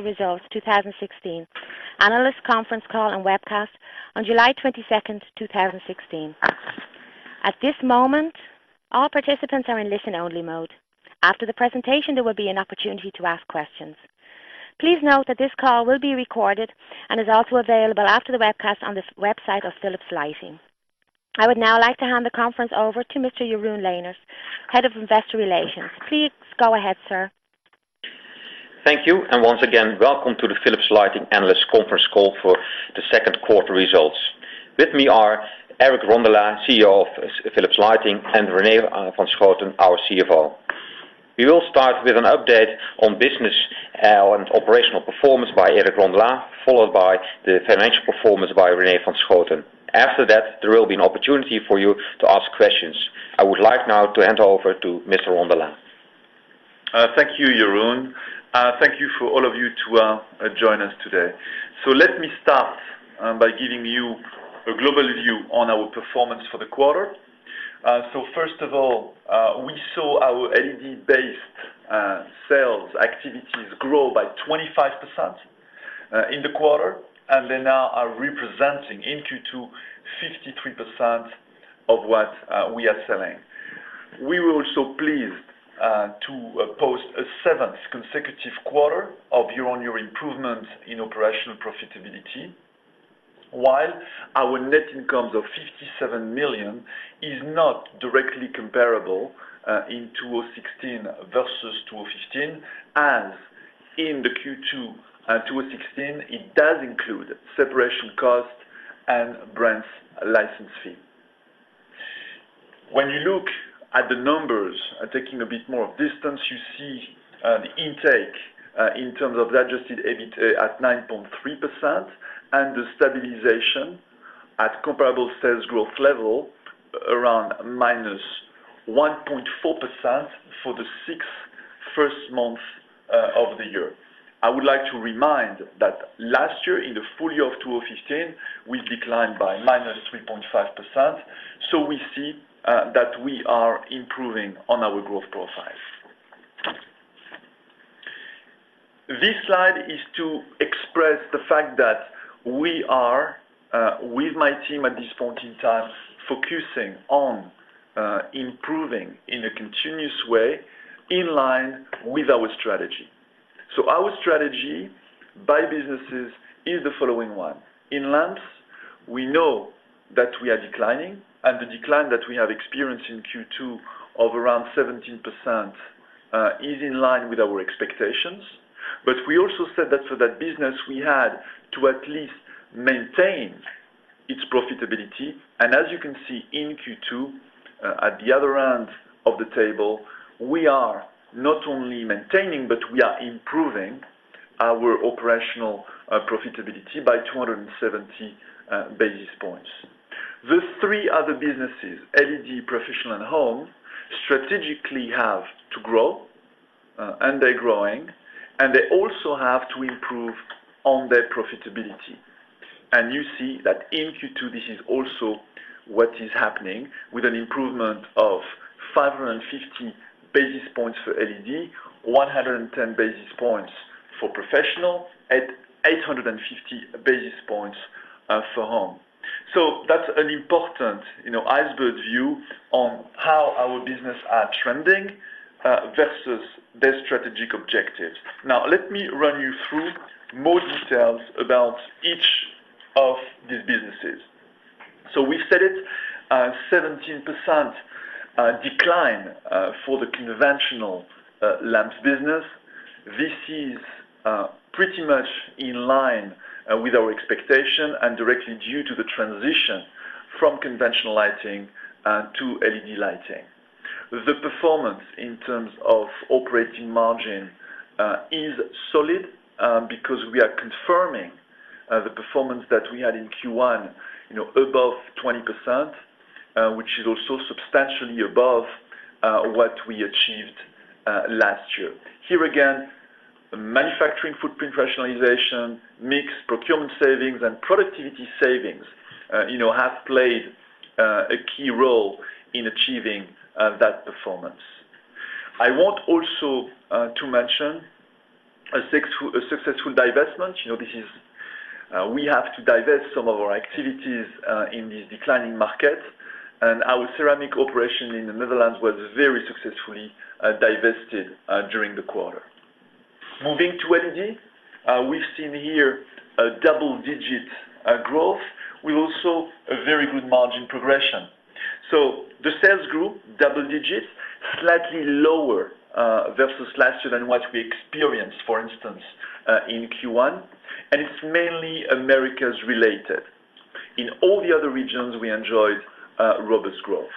Results 2016 analyst conference call and webcast on July 22nd, 2016. At this moment, all participants are in listen-only mode. After the presentation, there will be an opportunity to ask questions. Please note that this call will be recorded and is also available after the webcast on the website of Philips Lighting. I would now like to hand the conference over to Mr. Jeroen Leenaers, Head of Investor Relations. Please go ahead, sir. Thank you. Once again, welcome to the Philips Lighting Analyst Conference Call for the second quarter results. With me are Eric Rondolat, CEO of Philips Lighting, and René van Schooten, our CFO. We will start with an update on business and operational performance by Eric Rondolat, followed by the financial performance by René van Schooten. After that, there will be an opportunity for you to ask questions. I would like now to hand over to Mr. Rondolat. Thank you, Jeroen. Thank you for all of you to join us today. Let me start by giving you a global view on our performance for the quarter. First of all, we saw our LED-based sales activities grow by 25% in the quarter, and they now are representing into to 53% of what we are selling. We were also pleased to post a seventh consecutive quarter of year-on-year improvements in operational profitability, while our net income of 57 million is not directly comparable in 2016 versus 2015, as in the Q2 2016, it does include separation costs and brands license fee. When you look at the numbers, taking a bit more distance, you see the intake in terms of the adjusted EBITA at 9.3% and the stabilization at comparable sales growth level around minus 1.4% for the six first months of the year. I would like to remind that last year in the full year of 2015, we declined by minus 3.5%. We see that we are improving on our growth profile. This slide is to express the fact that we are with my team at this point in time, focusing on improving in a continuous way in line with our strategy. Our strategy by businesses is the following one. In lamps, we know that we are declining, and the decline that we have experienced in Q2 of around 17% is in line with our expectations. We also said that for that business, we had to at least maintain its profitability. As you can see in Q2, at the other end of the table, we are not only maintaining, but we are improving our operational profitability by 270 basis points. The three other businesses, LED, Professional, and Home, strategically have to grow, they're growing, they also have to improve on their profitability. You see that in Q2, this is also what is happening with an improvement of 550 basis points for LED, 110 basis points for Professional, and 850 basis points for Home. That's an important iceberg view on how our business are trending versus their strategic objectives. Now, let me run you through more details about each of these businesses. We said it, 17% decline for the conventional lamps business. This is pretty much in line with our expectation and directly due to the transition from conventional lighting to LED lighting. The performance in terms of operating margin is solid because we are confirming the performance that we had in Q1 above 20%, which is also substantially above what we achieved last year. Here again, manufacturing footprint rationalization, mix procurement savings, and productivity savings have played a key role in achieving that performance. I want also to mention a successful divestment. We have to divest some of our activities in these declining markets, and our ceramic operation in the Netherlands was very successfully divested during the quarter. Moving to LED, we've seen here a double-digit growth with also a very good margin progression. The sales grew double digits, slightly lower versus last year than what we experienced, for instance, in Q1, it's mainly Americas related. In all the other regions, we enjoyed robust growth.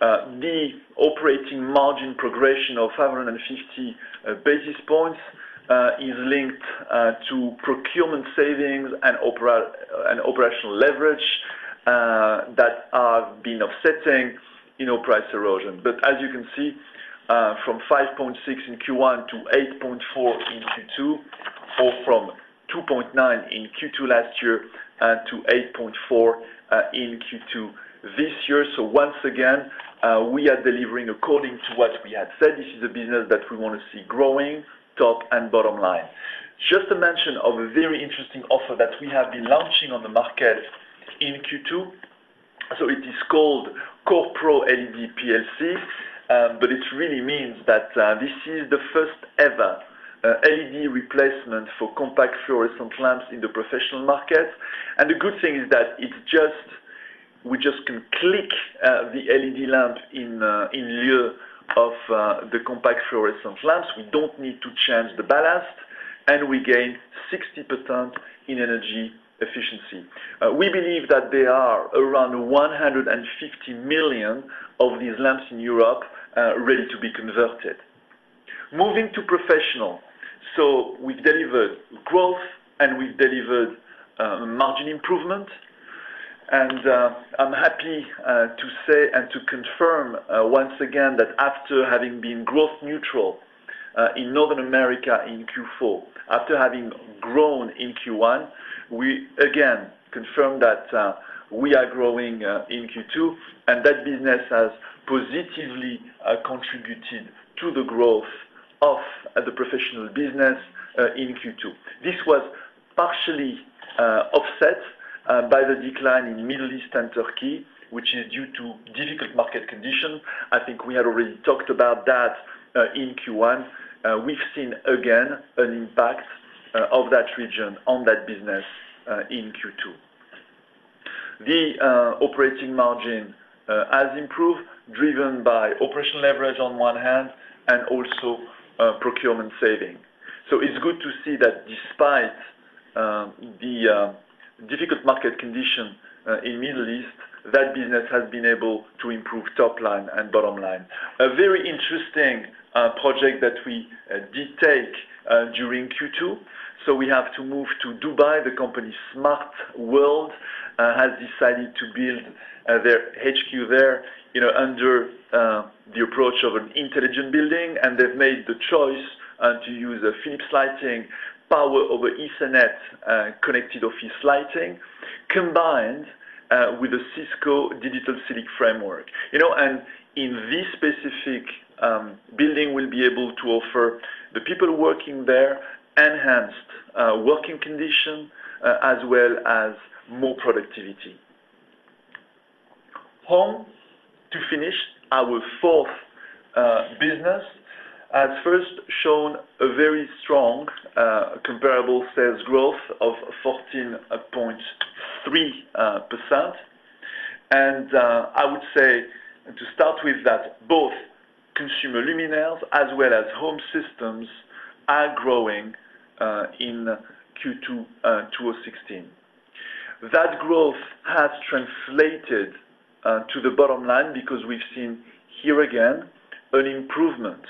The operating margin progression of 550 basis points is linked to procurement savings and operational leverage that are being offsetting price erosion. As you can see from 5.6 in Q1 to 8.4 in Q2, or from 2.9 in Q2 last year, to 8.4 in Q2 this year. Once again, we are delivering according to what we had said. This is a business that we want to see growing top and bottom line. Just to mention of a very interesting offer that we have been launching on the market in Q2. It is called CorePro LED PLC, it really means that this is the first ever LED replacement for compact fluorescent lamps in the professional market. The good thing is that we just can click the LED lamp in lieu of the compact fluorescent lamps. We don't need to change the ballast, we gain 60% in energy efficiency. We believe that there are around 150 million of these lamps in Europe ready to be converted. Moving to Professional. We've delivered growth, we've delivered margin improvement. I'm happy to say and to confirm once again that after having been growth neutral in North America in Q4, after having grown in Q1, we again confirmed that we are growing in Q2, that business has positively contributed to the growth of the Professional business in Q2. This was partially offset by the decline in Middle East and Turkey, which is due to difficult market condition. I think we had already talked about that, in Q1. We've seen again, an impact of that region on that business, in Q2. The operating margin has improved, driven by operational leverage on one hand, also procurement saving. It's good to see that despite the difficult market condition in Middle East, that business has been able to improve top line and bottom line. A very interesting project that we did take during Q2, so we have to move to Dubai. The company Smart World has decided to build their HQ there under the approach of an intelligent building, and they've made the choice to use a Philips Lighting Power over Ethernet connected office lighting combined with a Cisco Digital Ceiling framework. In this specific building, we'll be able to offer the people working there enhanced working conditions, as well as more productivity. Home, to finish our fourth business, has first shown a very strong comparable sales growth of 14.3%. I would say to start with that both consumer luminaires as well as Home systems are growing in Q2 2016. That growth has translated to the bottom line because we've seen here again an improvement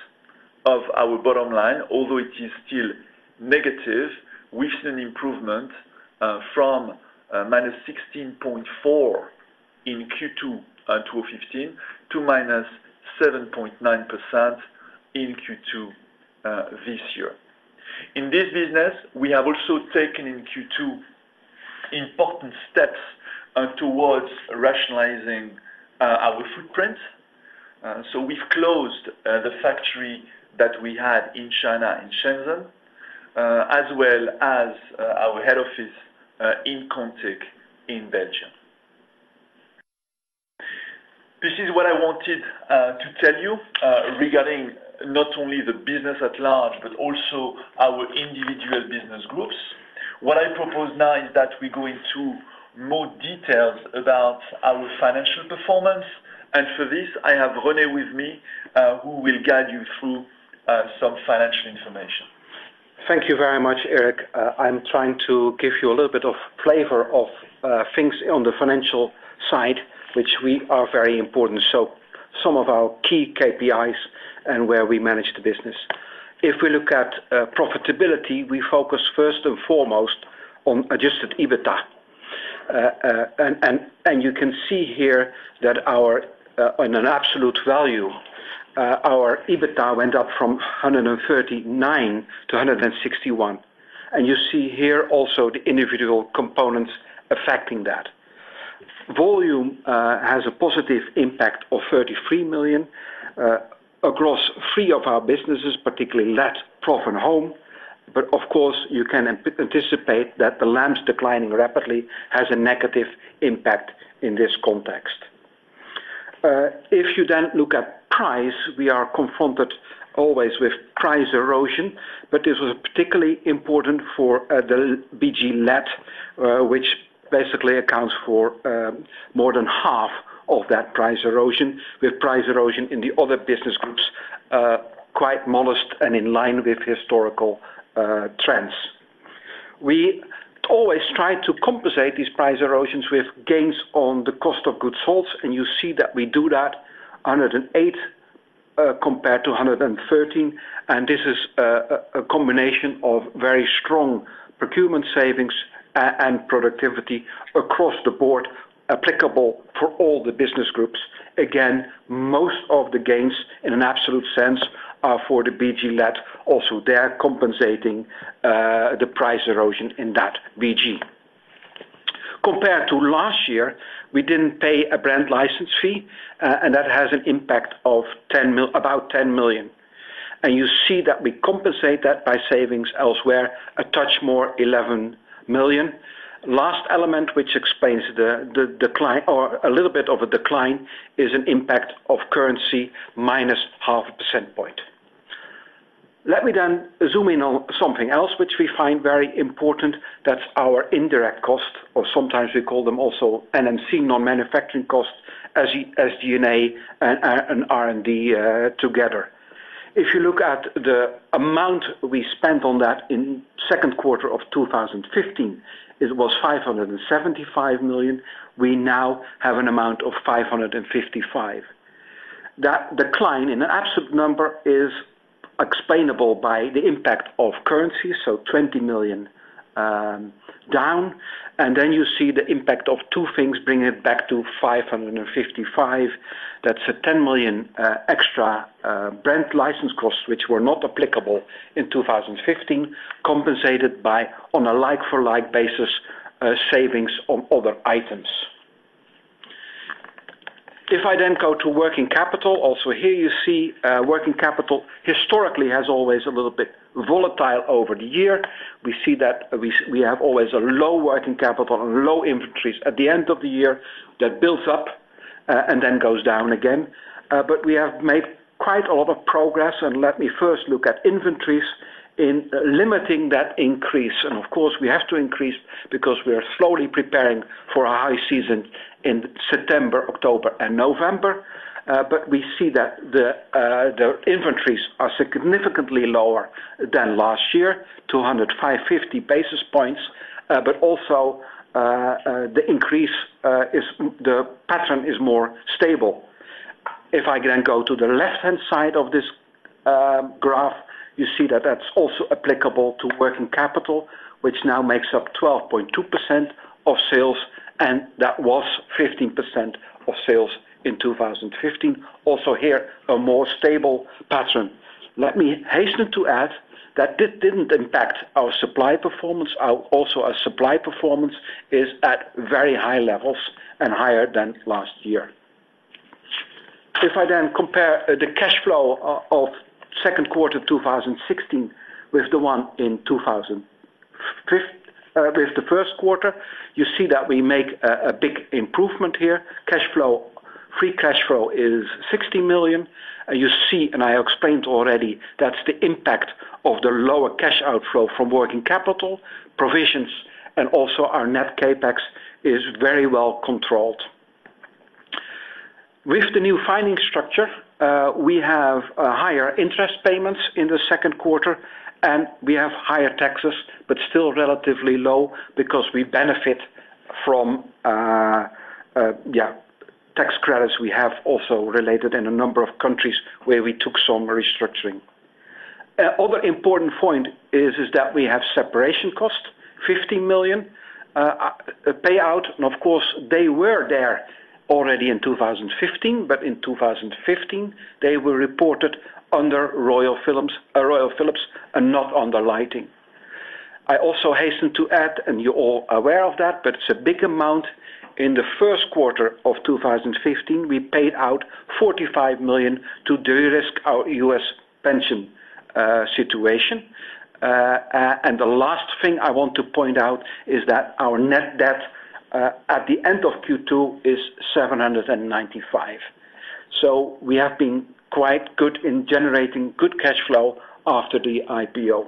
of our bottom line, although it is still negative. We've seen improvement from -16.4% in Q2 2015 to -7.9% in Q2 this year. In this business, we have also taken in Q2 important steps towards rationalizing our footprint. We've closed the factory that we had in China, in Shenzhen, as well as our head office in Kontich in Belgium. This is what I wanted to tell you regarding not only the business at large, but also our individual business groups. What I propose now is that we go into more details about our financial performance. For this, I have René with me, who will guide you through some financial information. Thank you very much, Eric. I'm trying to give you a little bit of flavor of things on the financial side, which we are very important. Some of our key KPIs and where we manage the business. If we look at profitability, we focus first and foremost on adjusted EBITA. You can see here that our, in an absolute value, our EBITA went up from 139 to 161. You see here also the individual components affecting that. Volume has a positive impact of 33 million across three of our businesses, particularly LED, Prof, and Home. Of course, you can anticipate that the lamps declining rapidly has a negative impact in this context. If you look at price, we are confronted always with price erosion, but this was particularly important for the BG LED, which basically accounts for more than half of that price erosion, with price erosion in the other business groups quite modest and in line with historical trends. We always try to compensate these price erosions with gains on the cost of goods sold. You see that we do that, 108 compared to 113. This is a combination of very strong procurement savings and productivity across the board, applicable for all the business groups. Again, most of the gains, in an absolute sense, for the BG LED, also there compensating the price erosion in that BG. Compared to last year, we didn't pay a brand license fee. That has an impact of about 10 million. You see that we compensate that by savings elsewhere, a touch more, 11 million. Last element, which explains a little bit of a decline, is an impact of currency, minus half a percent point. Let me zoom in on something else which we find very important. That is our indirect cost, or sometimes we call them also NMC, non-manufacturing costs, SG&A, and R&D together. If you look at the amount we spent on that in second quarter of 2015, it was 575 million. We now have an amount of 555 million. That decline in absolute number is explainable by the impact of currency, so 20 million down. You see the impact of two things, bringing it back to 555 million. That is a 10 million extra brand license costs, which were not applicable in 2015, compensated by, on a like-for-like basis, savings on other items. If I go to working capital, also here, you see working capital historically has always a little bit volatile over the year. We see that we have always a low working capital and low inventories at the end of the year. That builds up, goes down again. We have made quite a lot of progress. Let me first look at inventories in limiting that increase. Of course, we have to increase because we are slowly preparing for a high season in September, October, and November. We see that the inventories are significantly lower than last year, 250 basis points. Also, the increase, the pattern is more stable. If I go to the left-hand side of this graph, you see that that is also applicable to working capital, which now makes up 12.2% of sales, and that was 15% of sales in 2015. Also here, a more stable pattern. Let me hasten to add that this did not impact our supply performance. Also, our supply performance is at very high levels and higher than last year. If I compare the cash flow of second quarter 2016 with the first quarter, you see that we make a big improvement here. Free cash flow is 60 million. You see, and I explained already, that is the impact of the lower cash outflow from working capital, provisions, and also our net CapEx is very well controlled. With the new financing structure, we have higher interest payments in the second quarter, and we have higher taxes, but still relatively low because we benefit from tax credits we have also related in a number of countries where we took some restructuring. Other important point is that we have separation cost, 15 million payout. Of course, they were there already in 2015. In 2015, they were reported under Royal Philips and not under Philips Lighting. I also hasten to add, and you are all aware of that, but it is a big amount. In the first quarter of 2015, we paid out 45 million to de-risk our U.S. pension situation. The last thing I want to point out is that our net debt, at the end of Q2, is 795. We have been quite good in generating good cash flow after the IPO.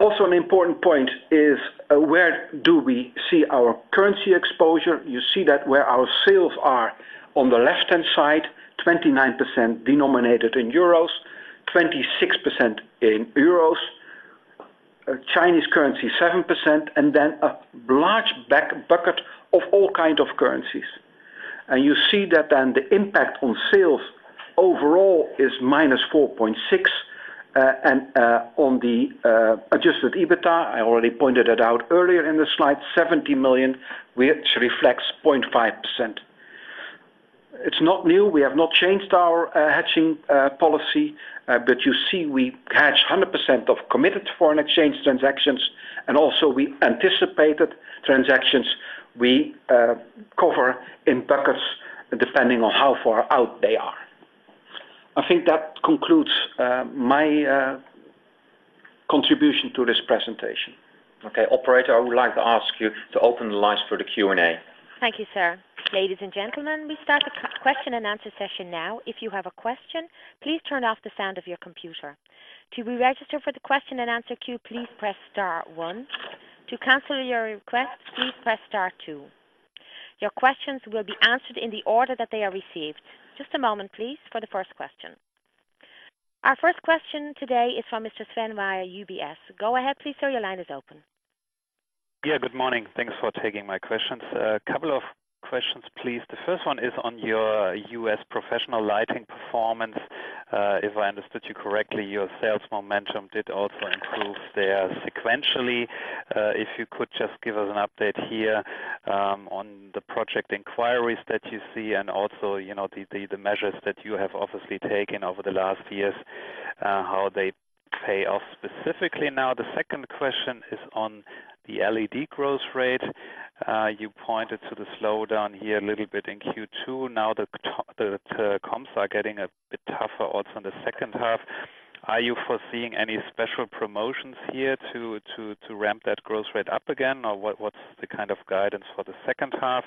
Also, an important point is, where do we see our currency exposure? You see that where our sales are on the left-hand side, 29% denominated in EUR, 26% in EUR, Chinese currency 7%, and then a large bucket of all kind of currencies. You see that the impact on sales overall is -4.6, and on the adjusted EBITA, I already pointed it out earlier in the slide, 70 million, which reflects 0.5%. It's not new. We have not changed our hedging policy. You see we hedge 100% of committed foreign exchange transactions, and also we anticipated transactions we cover in buckets depending on how far out they are. I think that concludes my contribution to this presentation. Okay. Operator, I would like to ask you to open the lines for the Q&A. Thank you, sir. Ladies and gentlemen, we start the question and answer session now. If you have a question, please turn off the sound of your computer. To be registered for the question and answer queue, please press star one. To cancel your request, please press star two. Your questions will be answered in the order that they are received. Just a moment, please, for the first question. Our first question today is from Mr. Sven Weier, UBS. Go ahead, please, sir, your line is open. Yeah, good morning. Thanks for taking my questions. A couple of questions, please. The first one is on your U.S. professional lighting performance. If I understood you correctly, your sales momentum did also improve there sequentially. If you could just give us an update here on the project inquiries that you see and also the measures that you have obviously taken over the last years, how they Payoff specifically. The second question is on the LED growth rate. You pointed to the slowdown here a little bit in Q2. The comps are getting a bit tougher also in the second half. Are you foreseeing any special promotions here to ramp that growth rate up again? What's the kind of guidance for the second half?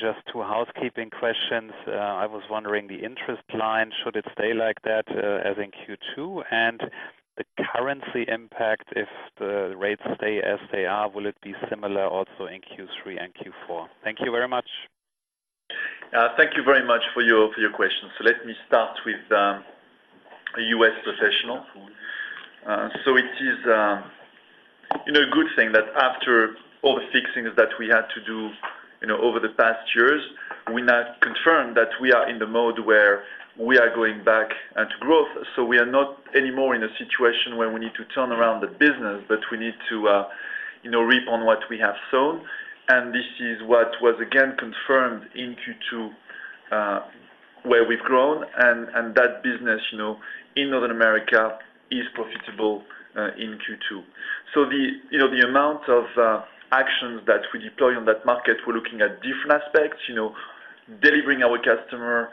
Just two housekeeping questions. I was wondering, the interest line, should it stay like that as in Q2? The currency impact, if the rates stay as they are, will it be similar also in Q3 and Q4? Thank you very much. Thank you very much for your questions. Let me start with the U.S. professional. It is a good thing that after all the fixings that we had to do over the past years, we're now confirmed that we are in the mode where we are going back into growth. We are not any more in a situation where we need to turn around the business, but we need to reap on what we have sown. This is what was again confirmed in Q2, where we've grown, and that business in Northern America is profitable in Q2. The amount of actions that we deploy on that market, we're looking at different aspects. Delivering our customer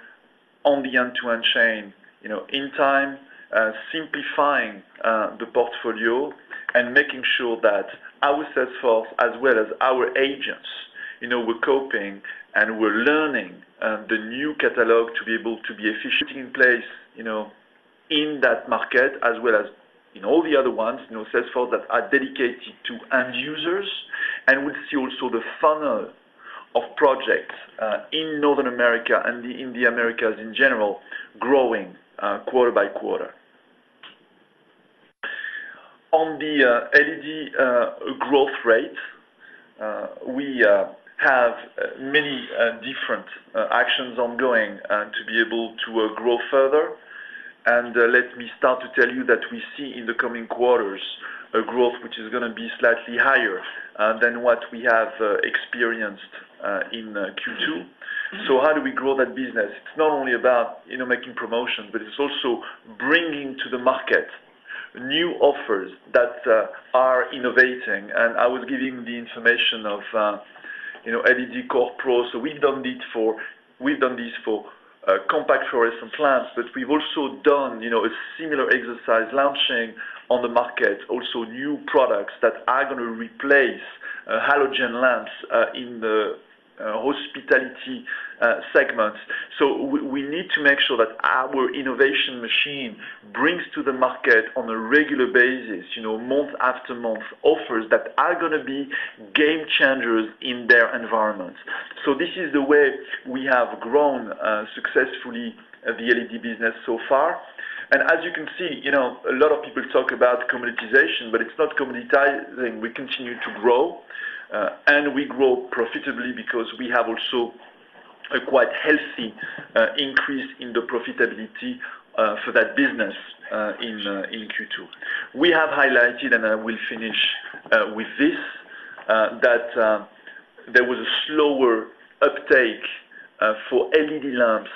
on the end-to-end chain in time, simplifying the portfolio, making sure that our sales force as well as our agents were coping and were learning the new catalog to be able to be efficient in place in that market as well as in all the other ones. Sales force that are dedicated to end users. We see also the funnel of projects in Northern America and in the Americas in general growing quarter by quarter. On the LED growth rate, we have many different actions ongoing to be able to grow further. Let me start to tell you that we see in the coming quarters a growth which is going to be slightly higher than what we have experienced in Q2. How do we grow that business? It's not only about making promotion, but it's also bringing to the market new offers that are innovating. I was giving the information of LED CorePro. We've done this for compact fluorescent lamps, but we've also done a similar exercise, lamp chain, on the market, also new products that are going to replace halogen lamps in the hospitality segments. We need to make sure that our innovation machine brings to the market on a regular basis, month after month, offers that are going to be game changers in their environment. This is the way we have grown successfully the LED business so far. As you can see, a lot of people talk about commoditization, but it's not commoditizing. We continue to grow, and we grow profitably because we have also a quite healthy increase in the profitability for that business in Q2. We have highlighted, I will finish with this, that there was a slower uptake for LED lamps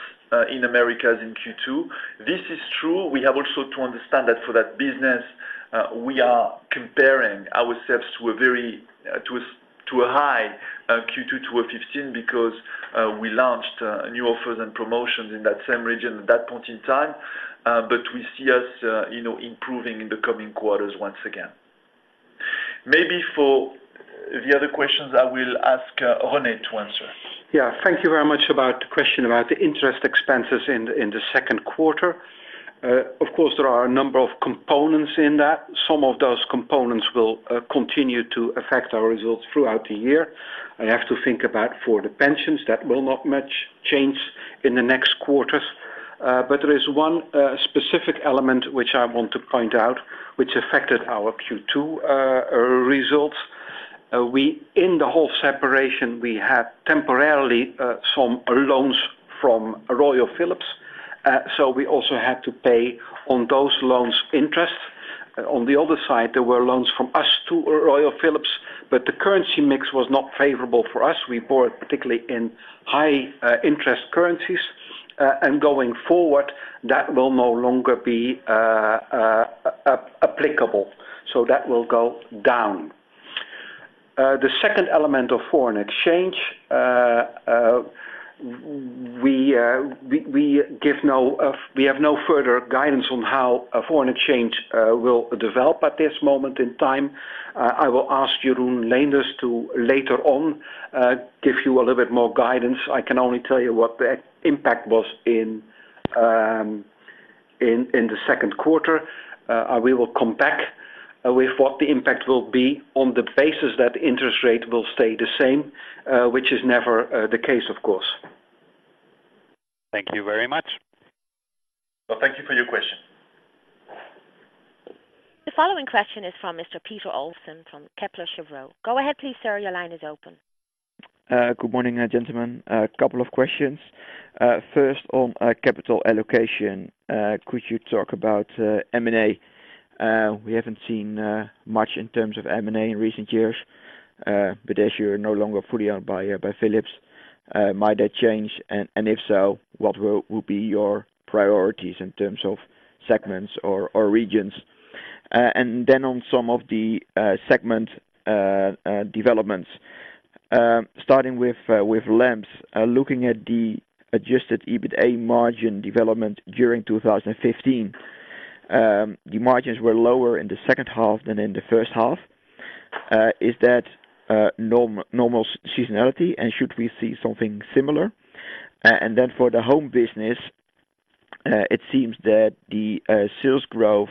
in Americas in Q2. This is true. We have also to understand that for that business, we are comparing ourselves to a high Q2 2015 because we launched new offers and promotions in that same region at that point in time. We see us improving in the coming quarters once again. Maybe for the other questions, I will ask René to answer. Thank you very much about the question about the interest expenses in the second quarter. Of course, there are a number of components in that. Some of those components will continue to affect our results throughout the year. I have to think about for the pensions, that will not much change in the next quarters. There is one specific element which I want to point out, which affected our Q2 results. In the whole separation, we had temporarily some loans from Royal Philips. We also had to pay on those loans interest. On the other side, there were loans from us to Royal Philips, but the currency mix was not favorable for us. We bought particularly in high interest currencies. Going forward, that will no longer be applicable. That will go down. The second element of foreign exchange, we have no further guidance on how foreign exchange will develop at this moment in time. I will ask Jeroen Leenaers to later on give you a little bit more guidance. I can only tell you what the impact was in the second quarter. We will come back with what the impact will be on the basis that interest rate will stay the same, which is never the case, of course. Thank you very much. Well, thank you for your question. The following question is from Mr. Peter Olofsen from Kepler Cheuvreux. Go ahead please, sir. Your line is open. Good morning, gentlemen. A couple of questions. First on capital allocation. Could you talk about M&A? We haven't seen much in terms of M&A in recent years. As you're no longer fully owned by Philips, might that change? If so, what will be your priorities in terms of segments or regions? On some of the segment developments, starting with lamps, looking at the adjusted EBITA margin development during 2015. The margins were lower in the second half than in the first half. Is that normal seasonality, and should we see something similar? For the home business, it seems that the sales growth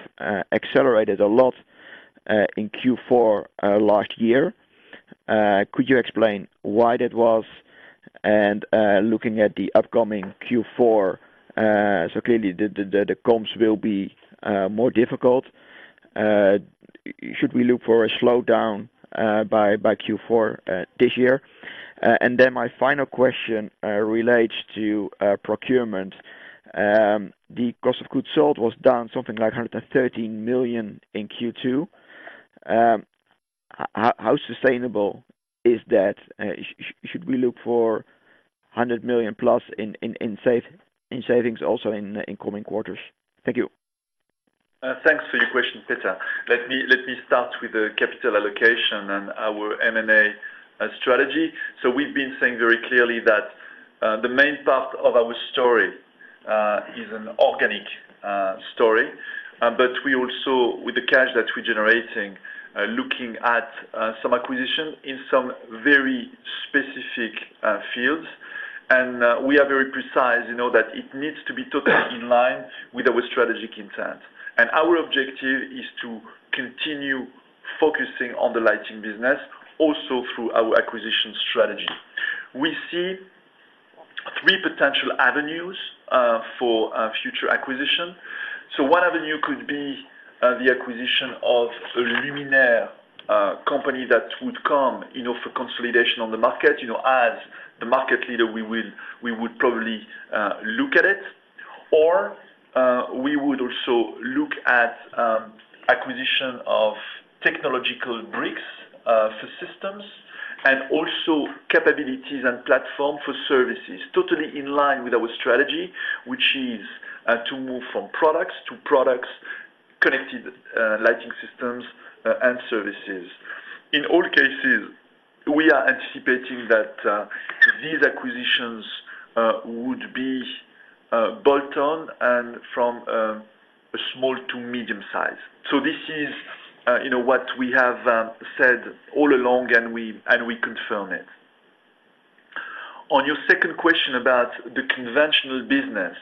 accelerated a lot in Q4 last year. Could you explain why that was? Looking at the upcoming Q4, clearly the comps will be more difficult. Should we look for a slowdown by Q4 this year? My final question relates to procurement. The cost of goods sold was down something like 113 million in Q2. How sustainable is that? Should we look for 100 million plus in savings also in coming quarters? Thank you. Thanks for your question, Peter. Let me start with the capital allocation and our M&A strategy. We've been saying very clearly that the main part of our story is an organic story. We also, with the cash that we're generating, looking at some acquisition in some very specific fields. We are very precise, that it needs to be totally in line with our strategic intent. Our objective is to continue focusing on the lighting business also through our acquisition strategy. We see three potential avenues for future acquisition. One avenue could be the acquisition of a luminaire company that would come for consolidation on the market. As the market leader, we would probably look at it, or we would also look at acquisition of technological bricks for systems and also capabilities and platform for services. Totally in line with our strategy, which is to move from products to products connected lighting systems and services. In all cases, we are anticipating that these acquisitions would be bolt-on and from a small to medium size. This is what we have said all along, and we confirm it. On your second question about the conventional business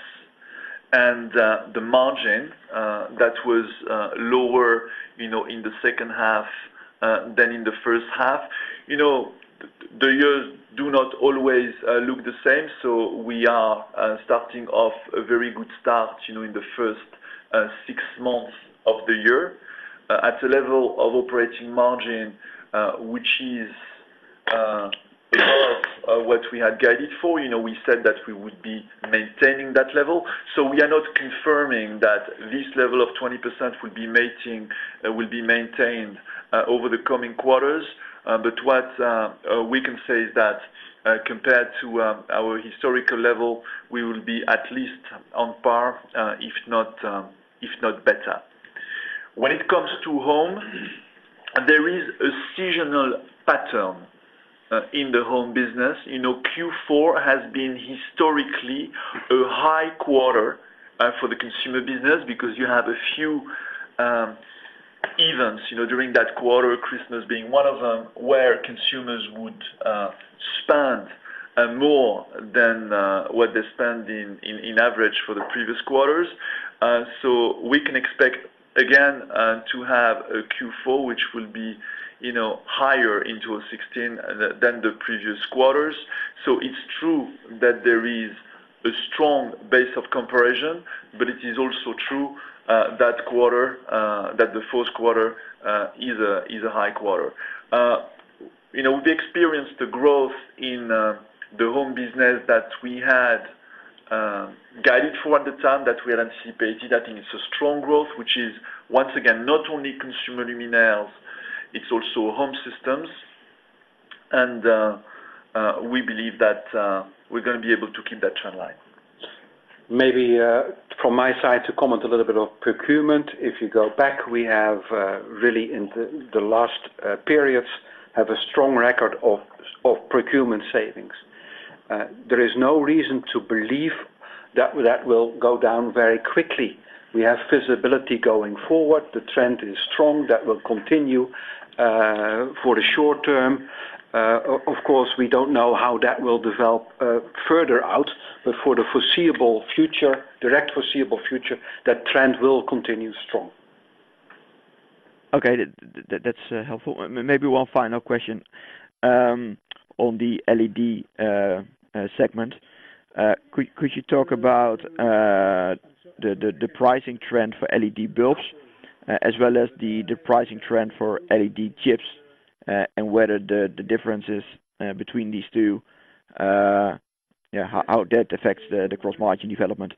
and the margin that was lower in the second half than in the first half. The years do not always look the same. We are starting off a very good start in the first six months of the year at a level of operating margin, which is above what we had guided for. We said that we would be maintaining that level. We are not confirming that this level of 20% will be maintained over the coming quarters. What we can say is that compared to our historical level, we will be at least on par, if not better. When it comes to home, there is a seasonal pattern in the home business. Q4 has been historically a high quarter for the consumer business because you have a few events during that quarter, Christmas being one of them, where consumers would spend more than what they spend in average for the previous quarters. We can expect again, to have a Q4 which will be higher in 2016 than the previous quarters. It's true that there is a strong base of comparison, but it is also true that the fourth quarter is a high quarter. We experienced the growth in the home business that we had guided for at the time that we had anticipated. I think it's a strong growth, which is once again not only consumer luminaires, it's also home systems. We believe that we're going to be able to keep that trend line. Maybe from my side to comment a little bit of procurement, if you go back, we have really in the last periods, have a strong record of procurement savings. There is no reason to believe that will go down very quickly. We have visibility going forward. The trend is strong. That will continue for the short term. Of course, we don't know how that will develop further out, but for the foreseeable future, direct foreseeable future, that trend will continue strong. Okay. That's helpful. Maybe one final question on the LED segment. Could you talk about the pricing trend for LED bulbs as well as the pricing trend for LED chips and whether the differences between these two, how that affects the gross margin development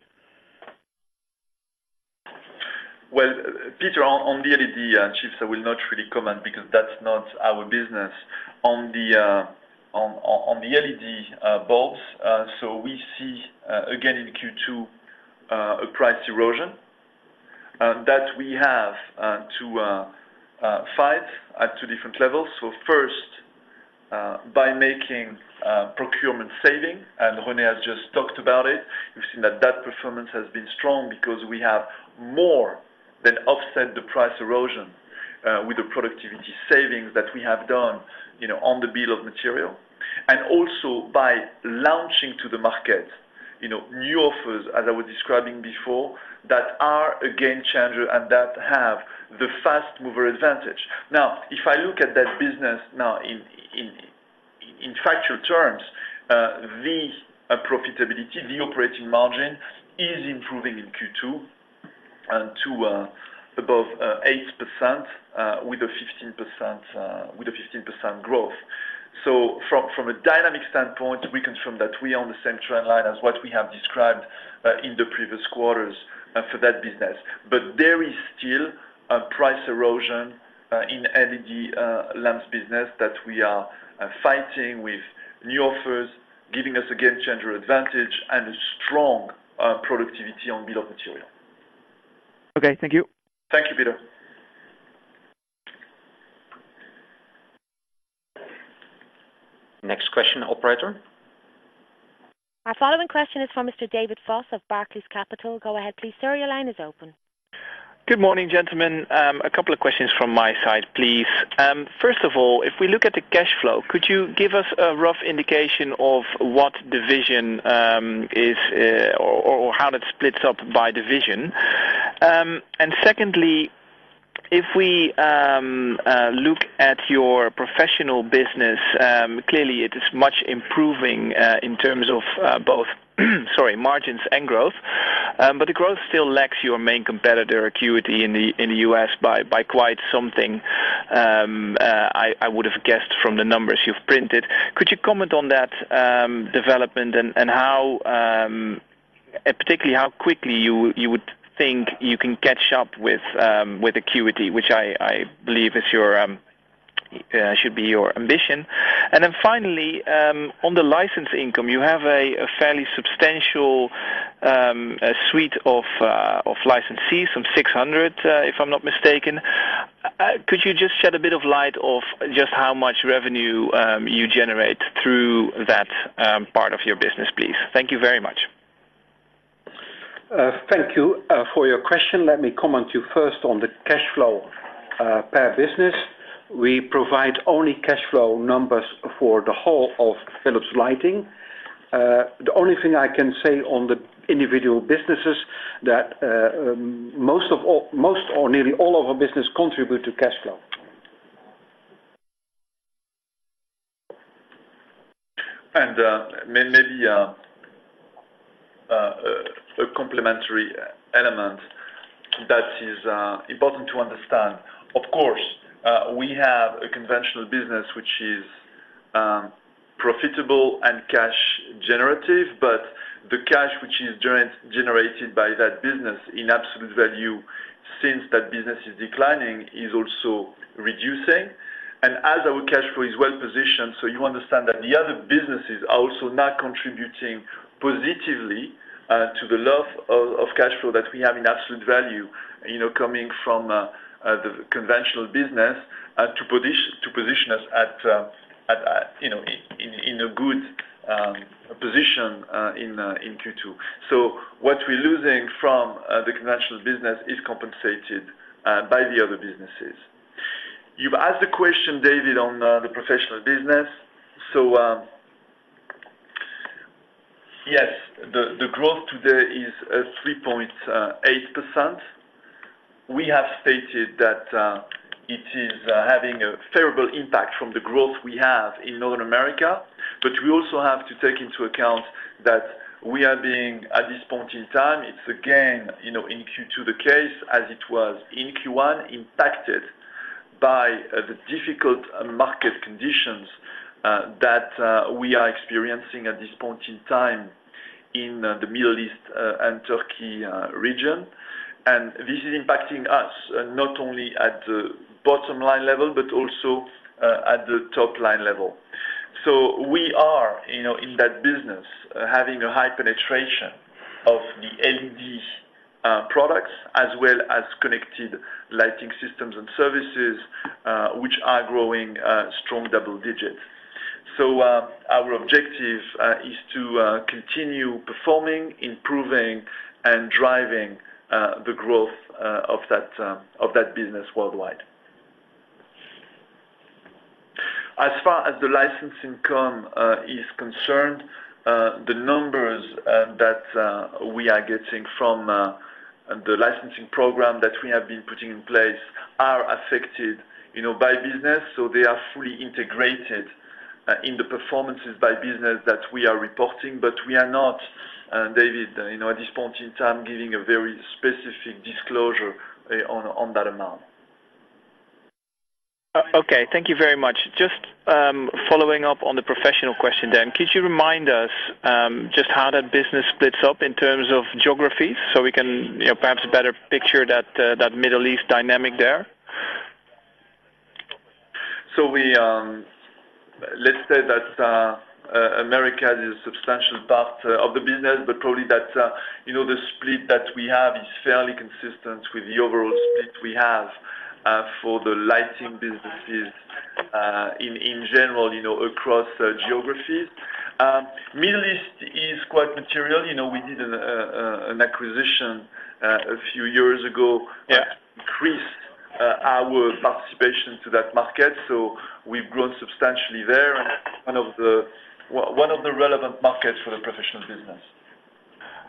Well, Peter, on the LED chips, I will not really comment because that's not our business. On the LED bulbs, we see again in Q2 a price erosion that we have to fight at two different levels. First, by making procurement saving, and René has just talked about it. You've seen that that performance has been strong because we have more than offset the price erosion with the productivity savings that we have done on the bill of material. Also by launching to the market new offers, as I was describing before, that are a game changer and that have the fast mover advantage. Now, if I look at that business now in factual terms, the profitability, the operating margin is improving in Q2 to above 8% with a 15% growth. From a dynamic standpoint, we confirm that we are on the same trend line as what we have described in the previous quarters for that business. There is still a price erosion in LED lamps business that we are fighting with new offers, giving us a game changer advantage and a strong productivity on bill of material. Okay, thank you. Thank you, Peter. Next question, operator. Our following question is from Mr. David Vos of Barclays Capital. Go ahead please, sir. Your line is open. Good morning, gentlemen. A couple of questions from my side, please. First of all, if we look at the cash flow, could you give us a rough indication of what division or how that splits up by division? Secondly, if we look at your professional business, clearly it is much improving in terms of both margins and growth. The growth still lacks your main competitor, Acuity, in the U.S. by quite something, I would have guessed from the numbers you've printed. Could you comment on that development and particularly how quickly you would think you can catch up with Acuity, which I believe should be your ambition? Then finally, on the license income, you have a fairly substantial suite of licensees, some 600, if I'm not mistaken. Could you just shed a bit of light of just how much revenue you generate through that part of your business, please? Thank you very much. Thank you for your question. Let me comment you first on the cash flow per business. We provide only cash flow numbers for the whole of Philips Lighting. The only thing I can say on the individual businesses that most or nearly all of our business contribute to cash flow. Maybe a complementary element that is important to understand. Of course, we have a conventional business which is profitable and cash generative, but the cash which is generated by that business in absolute value, since that business is declining, is also reducing. As our cash flow is well positioned, you understand that the other businesses are also now contributing positively to the level of cash flow that we have in absolute value coming from the conventional business to position us in a good position in Q2. What we're losing from the conventional business is compensated by the other businesses. You've asked the question, David, on the professional business. Yes, the growth today is 3.8%. We have stated that it is having a favorable impact from the growth we have in North America, but we also have to take into account that we are being, at this point in time, it's again in Q2 the case, as it was in Q1, impacted by the difficult market conditions that we are experiencing at this point in time in the Middle East and Turkey region. This is impacting us not only at the bottom line level, but also at the top line level. We are in that business having a high penetration of the LED products as well as connected lighting systems and services, which are growing strong double digits. Our objective is to continue performing, improving, and driving the growth of that business worldwide. As far as the license income is concerned, the numbers that we are getting from the licensing program that we have been putting in place are affected by business, so they are fully integrated in the performances by business that we are reporting, but we are not, David, at this point in time, giving a very specific disclosure on that amount. Okay, thank you very much. Just following up on the professional question then, could you remind us just how that business splits up in terms of geographies so we can perhaps better picture that Middle East dynamic there? Let's say that Americas is a substantial part of the business, but probably the split that we have is fairly consistent with the overall split we have for the lighting businesses in general across geographies. Middle East is quite material. We did an acquisition a few years ago. Yeah. Increased our participation to that market. We've grown substantially there and one of the relevant markets for the professional business.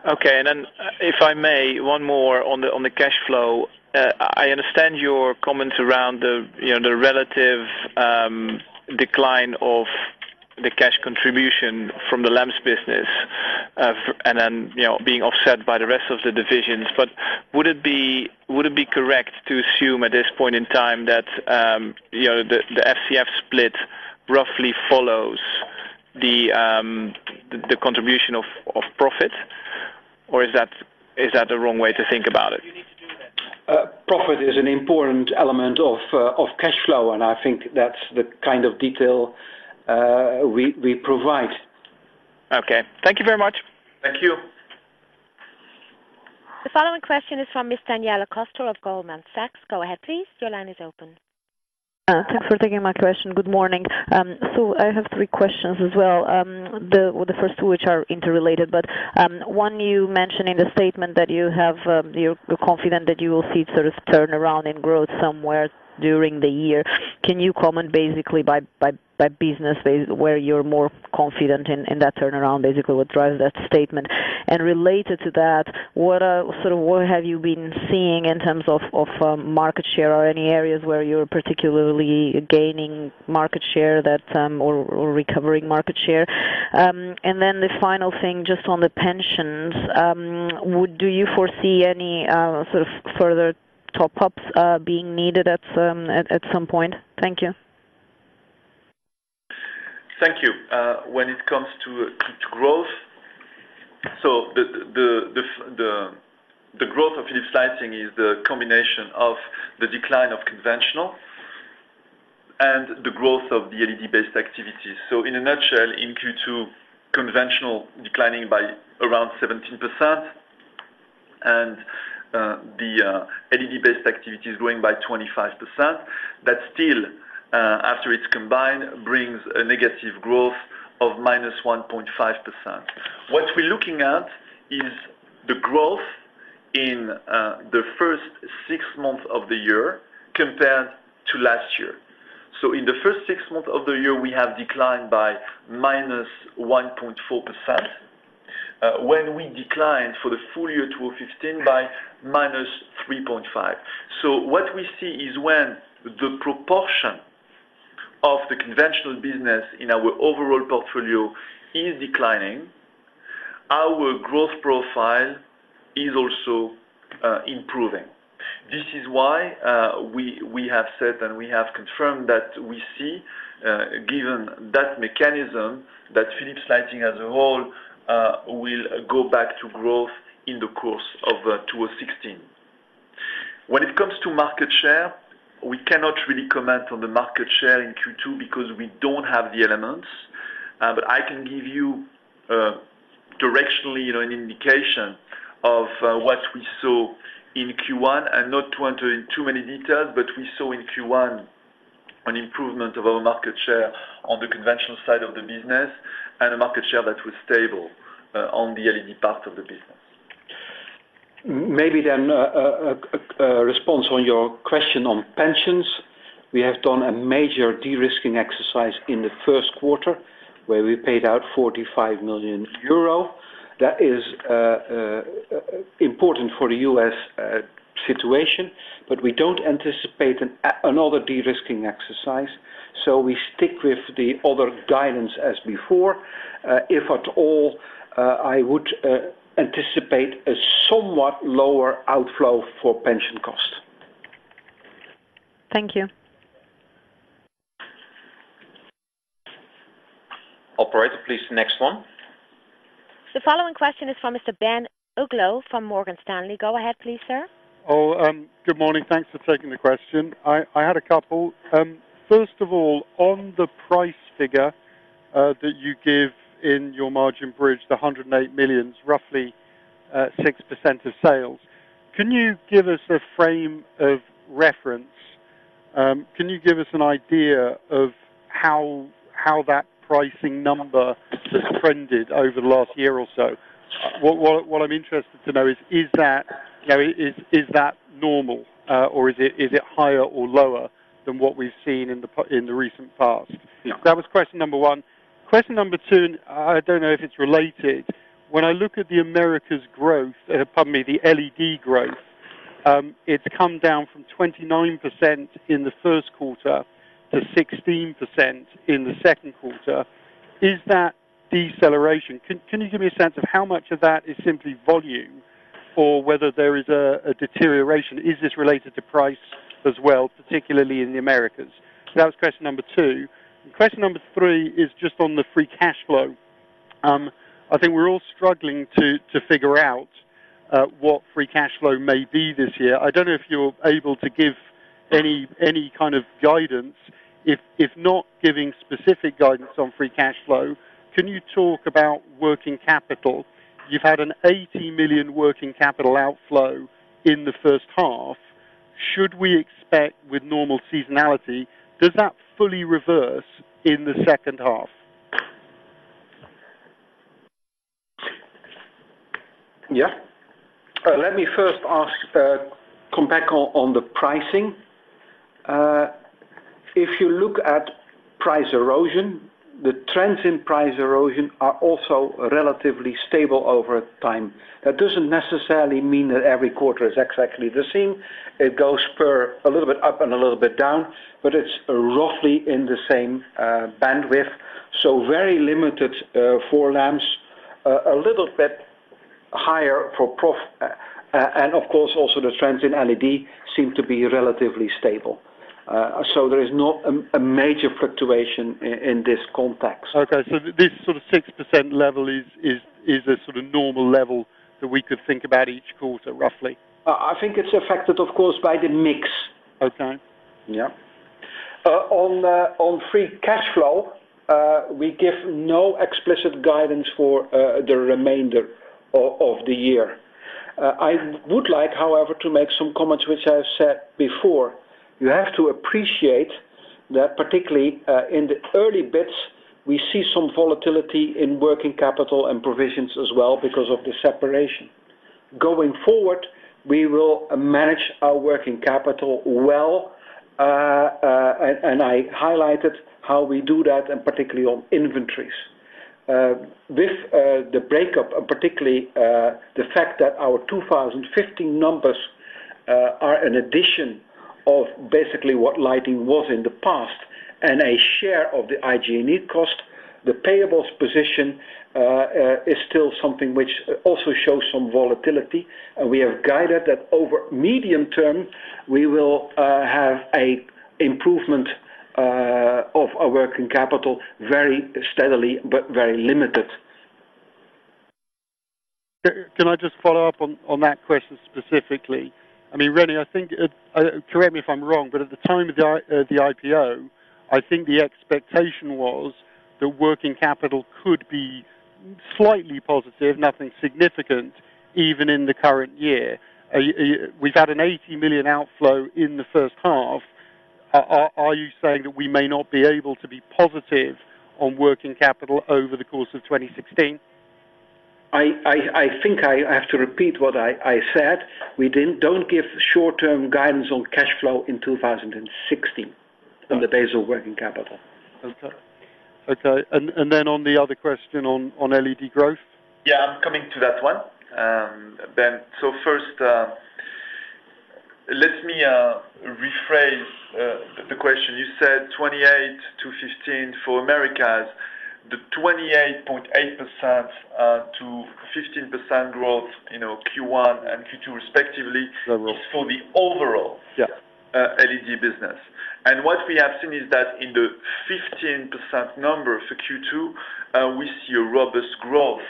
Okay. If I may, one more on the cash flow. I understand your comments around the relative decline of the cash contribution from the lamps business, being offset by the rest of the divisions. Would it be correct to assume at this point in time that the FCF split roughly follows the contribution of profit? Is that the wrong way to think about it? Profit is an important element of cash flow, I think that's the kind of detail we provide. Okay. Thank you very much. Thank you. The following question is from Ms. Daniela Costa of Goldman Sachs. Go ahead, please. Your line is open. Thanks for taking my question. Good morning. I have three questions as well, the first two which are interrelated. One you mentioned in the statement that you're confident that you will see sort of turnaround in growth somewhere during the year. Can you comment basically by business where you're more confident in that turnaround, basically what drives that statement? Related to that, what have you been seeing in terms of market share or any areas where you're particularly gaining market share or recovering market share? The final thing, just on the pensions, do you foresee any sort of further top-ups being needed at some point? Thank you. Thank you. When it comes to growth, the growth of Philips Lighting is the combination of the decline of conventional and the growth of the LED-based activities. In a nutshell, in Q2, conventional declining by around 17%, and the LED-based activities growing by 25%. That still, after it's combined, brings a negative growth of -1.5%. What we're looking at is the growth in the first six months of the year compared to last year. In the first six months of the year, we have declined by -1.4%, when we declined for the full year 2015 by -3.5%. What we see is when the proportion of the conventional business in our overall portfolio is declining, our growth profile is also improving. This is why we have said, and we have confirmed that we see, given that mechanism, that Philips Lighting as a whole will go back to growth in the course of 2016. When it comes to market share, we cannot really comment on the market share in Q2 because we don't have the elements. I can give you directionally an indication of what we saw in Q1, not to enter in too many details, we saw in Q1 an improvement of our market share on the conventional side of the business and a market share that was stable on the LED part of the business. Maybe a response on your question on pensions. We have done a major de-risking exercise in the first quarter where we paid out 45 million euro. That is important for the U.S. situation, we don't anticipate another de-risking exercise. We stick with the other guidance as before. If at all, I would anticipate a somewhat lower outflow for pension cost. Thank you. Operator, please, next one. The following question is from Mr. Ben Uglow from Morgan Stanley. Go ahead please, sir. Oh, good morning. Thanks for taking the question. I had a couple. First of all, on the price figure that you give in your margin bridge, the 108 million, roughly 6% of sales. Can you give us a frame of reference? Can you give us an idea of how that pricing number has trended over the last year or so? What I'm interested to know is that normal or is it higher or lower than what we've seen in the recent past? Yeah. That was question number one. Question number two, I don't know if it's related. When I look at the Americas growth, pardon me, the LED growth, it's come down from 29% in the first quarter to 16% in the second quarter. Is that deceleration? Can you give me a sense of how much of that is simply volume? Whether there is a deterioration. Is this related to price as well, particularly in the Americas? That was question number two. Question number three is just on the free cash flow. I think we're all struggling to figure out what free cash flow may be this year. I don't know if you're able to give any kind of guidance. If not giving specific guidance on free cash flow, can you talk about working capital? You've had an 80 million working capital outflow in the first half. Should we expect with normal seasonality, does that fully reverse in the second half? Yeah. Let me first come back on the pricing. If you look at price erosion, the trends in price erosion are also relatively stable over time. That doesn't necessarily mean that every quarter is exactly the same. It goes for a little bit up and a little bit down, but it's roughly in the same bandwidth, so very limited for lamps. A little bit higher for Prof, and of course, also the trends in LED seem to be relatively stable. There is not a major fluctuation in this context. Okay. This sort of 6% level is a sort of normal level that we could think about each quarter, roughly? I think it's affected, of course, by the mix. Okay. Yeah. On free cash flow, we give no explicit guidance for the remainder of the year. I would like, however, to make some comments, which I've said before. You have to appreciate that particularly, in the early bits, we see some volatility in working capital and provisions as well because of the separation. Going forward, we will manage our working capital well, and I highlighted how we do that, and particularly on inventories. With the breakup, particularly, the fact that our 2015 numbers are an addition of basically what lighting was in the past and a share of the IG and EBITDA cost, the payables position is still something which also shows some volatility. We have guided that over medium term, we will have an improvement of our working capital very steadily, but very limited. Can I just follow up on that question specifically? I mean, René, correct me if I'm wrong, but at the time of the IPO, I think the expectation was that working capital could be slightly positive, nothing significant, even in the current year. We've had an 80 million outflow in the first half. Are you saying that we may not be able to be positive on working capital over the course of 2016? I think I have to repeat what I said. We don't give short-term guidance on cash flow in 2016 on the days of working capital. Okay. On the other question on LED growth? Yeah, I'm coming to that one, Ben. First, let me rephrase the question. You said 28 to 15 for Americas. The 28.8% to 15% growth Q1 and Q2 respectively. That works. is for the overall- Yeah LED business. What we have seen is that in the 15% number for Q2, we see a robust growth,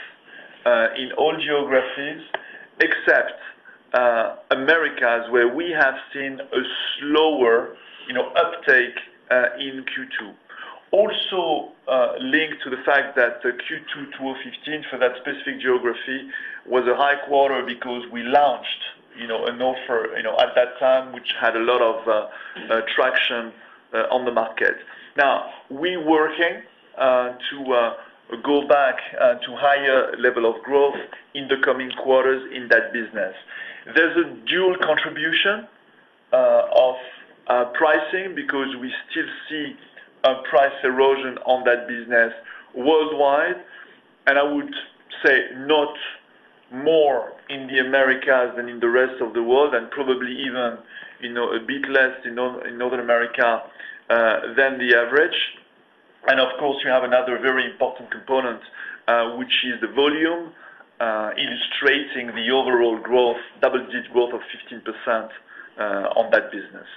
in all geographies except Americas, where we have seen a slower uptake in Q2. Also, linked to the fact that the Q2 2015 for that specific geography was a high quarter because we launched an offer at that time, which had a lot of traction on the market. We're working to go back to higher level of growth in the coming quarters in that business. There's a dual contribution of pricing because we still see a price erosion on that business worldwide, and I would say not more in the Americas than in the rest of the world, and probably even a bit less in Northern America than the average. Of course, you have another very important component, which is the volume, illustrating the overall growth, double-digit growth of 15% on that business.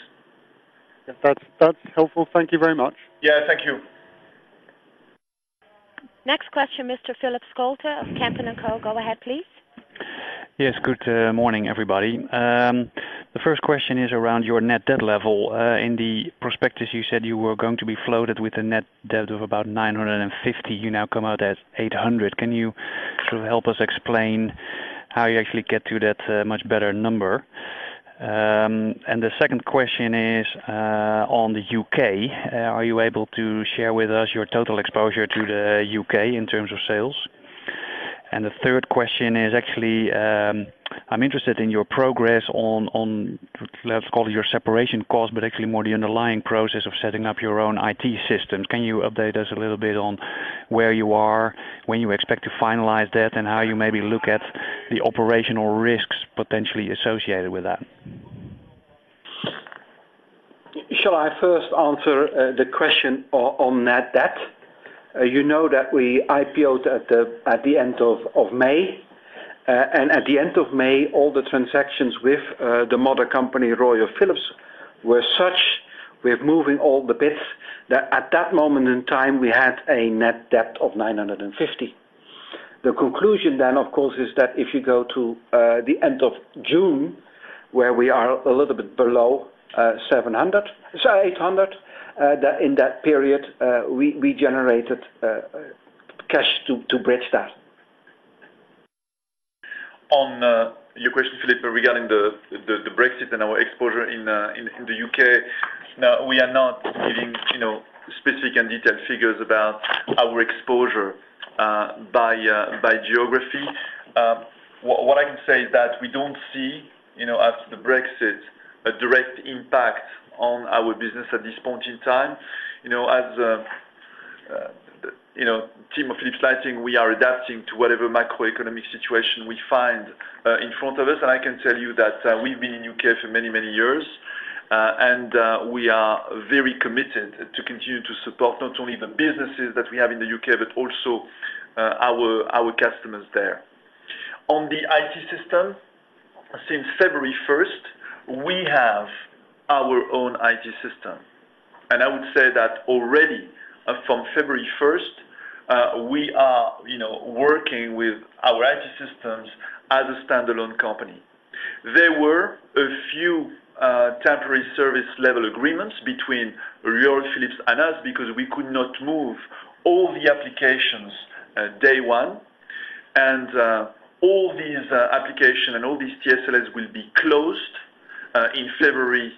That's helpful. Thank you very much. Yeah. Thank you. Next question, Mr. Philip Scholte of Kempen & Co. Go ahead, please. Yes. Good morning, everybody. The first question is around your net debt level. In the prospectus, you said you were going to be floated with a net debt of about 950. You now come out at 800. Can you sort of help us explain how you actually get to that much better number? The second question is, on the U.K. Are you able to share with us your total exposure to the U.K. in terms of sales? The third question is actually, I'm interested in your progress on, let's call it your separation cost, but actually more the underlying process of setting up your own IT systems. Can you update us a little bit on where you are, when you expect to finalize that, and how you maybe look at the operational risks potentially associated with that? Shall I first answer the question on net debt? You know that we IPO'd at the end of May. At the end of May, all the transactions with the mother company, Royal Philips, were such, we're moving all the bits, that at that moment in time, we had a net debt of 950. The conclusion, of course, is that if you go to the end of June, where we are a little bit below 800, in that period, we generated cash to bridge that. On your question, Philip, regarding the Brexit and our exposure in the U.K. We are not giving specific and detailed figures about our exposure by geography. What I can say is that we don't see, as the Brexit, a direct impact on our business at this point in time. As a team of Philips Lighting, we are adapting to whatever macroeconomic situation we find in front of us. I can tell you that we've been in U.K. for many, many years. We are very committed to continue to support not only the businesses that we have in the U.K., but also our customers there. On the IT system, since February 1st, we have our own IT system. I would say that already from February 1st, we are working with our IT systems as a standalone company. There were a few temporary service level agreements between Royal Philips and us because we could not move all the applications day one. All these application and all these TSAs will be closed in February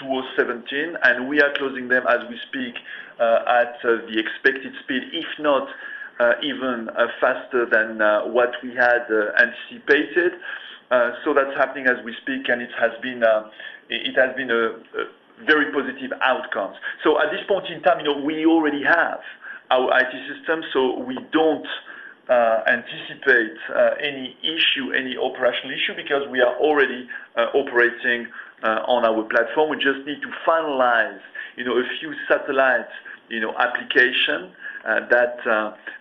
2017. We are closing them as we speak, at the expected speed, if not even faster than what we had anticipated. That's happening as we speak, and it has been a very positive outcomes. At this point in time, we already have our IT system, so we don't anticipate any operational issue because we are already operating on our platform. We just need to finalize a few satellite application that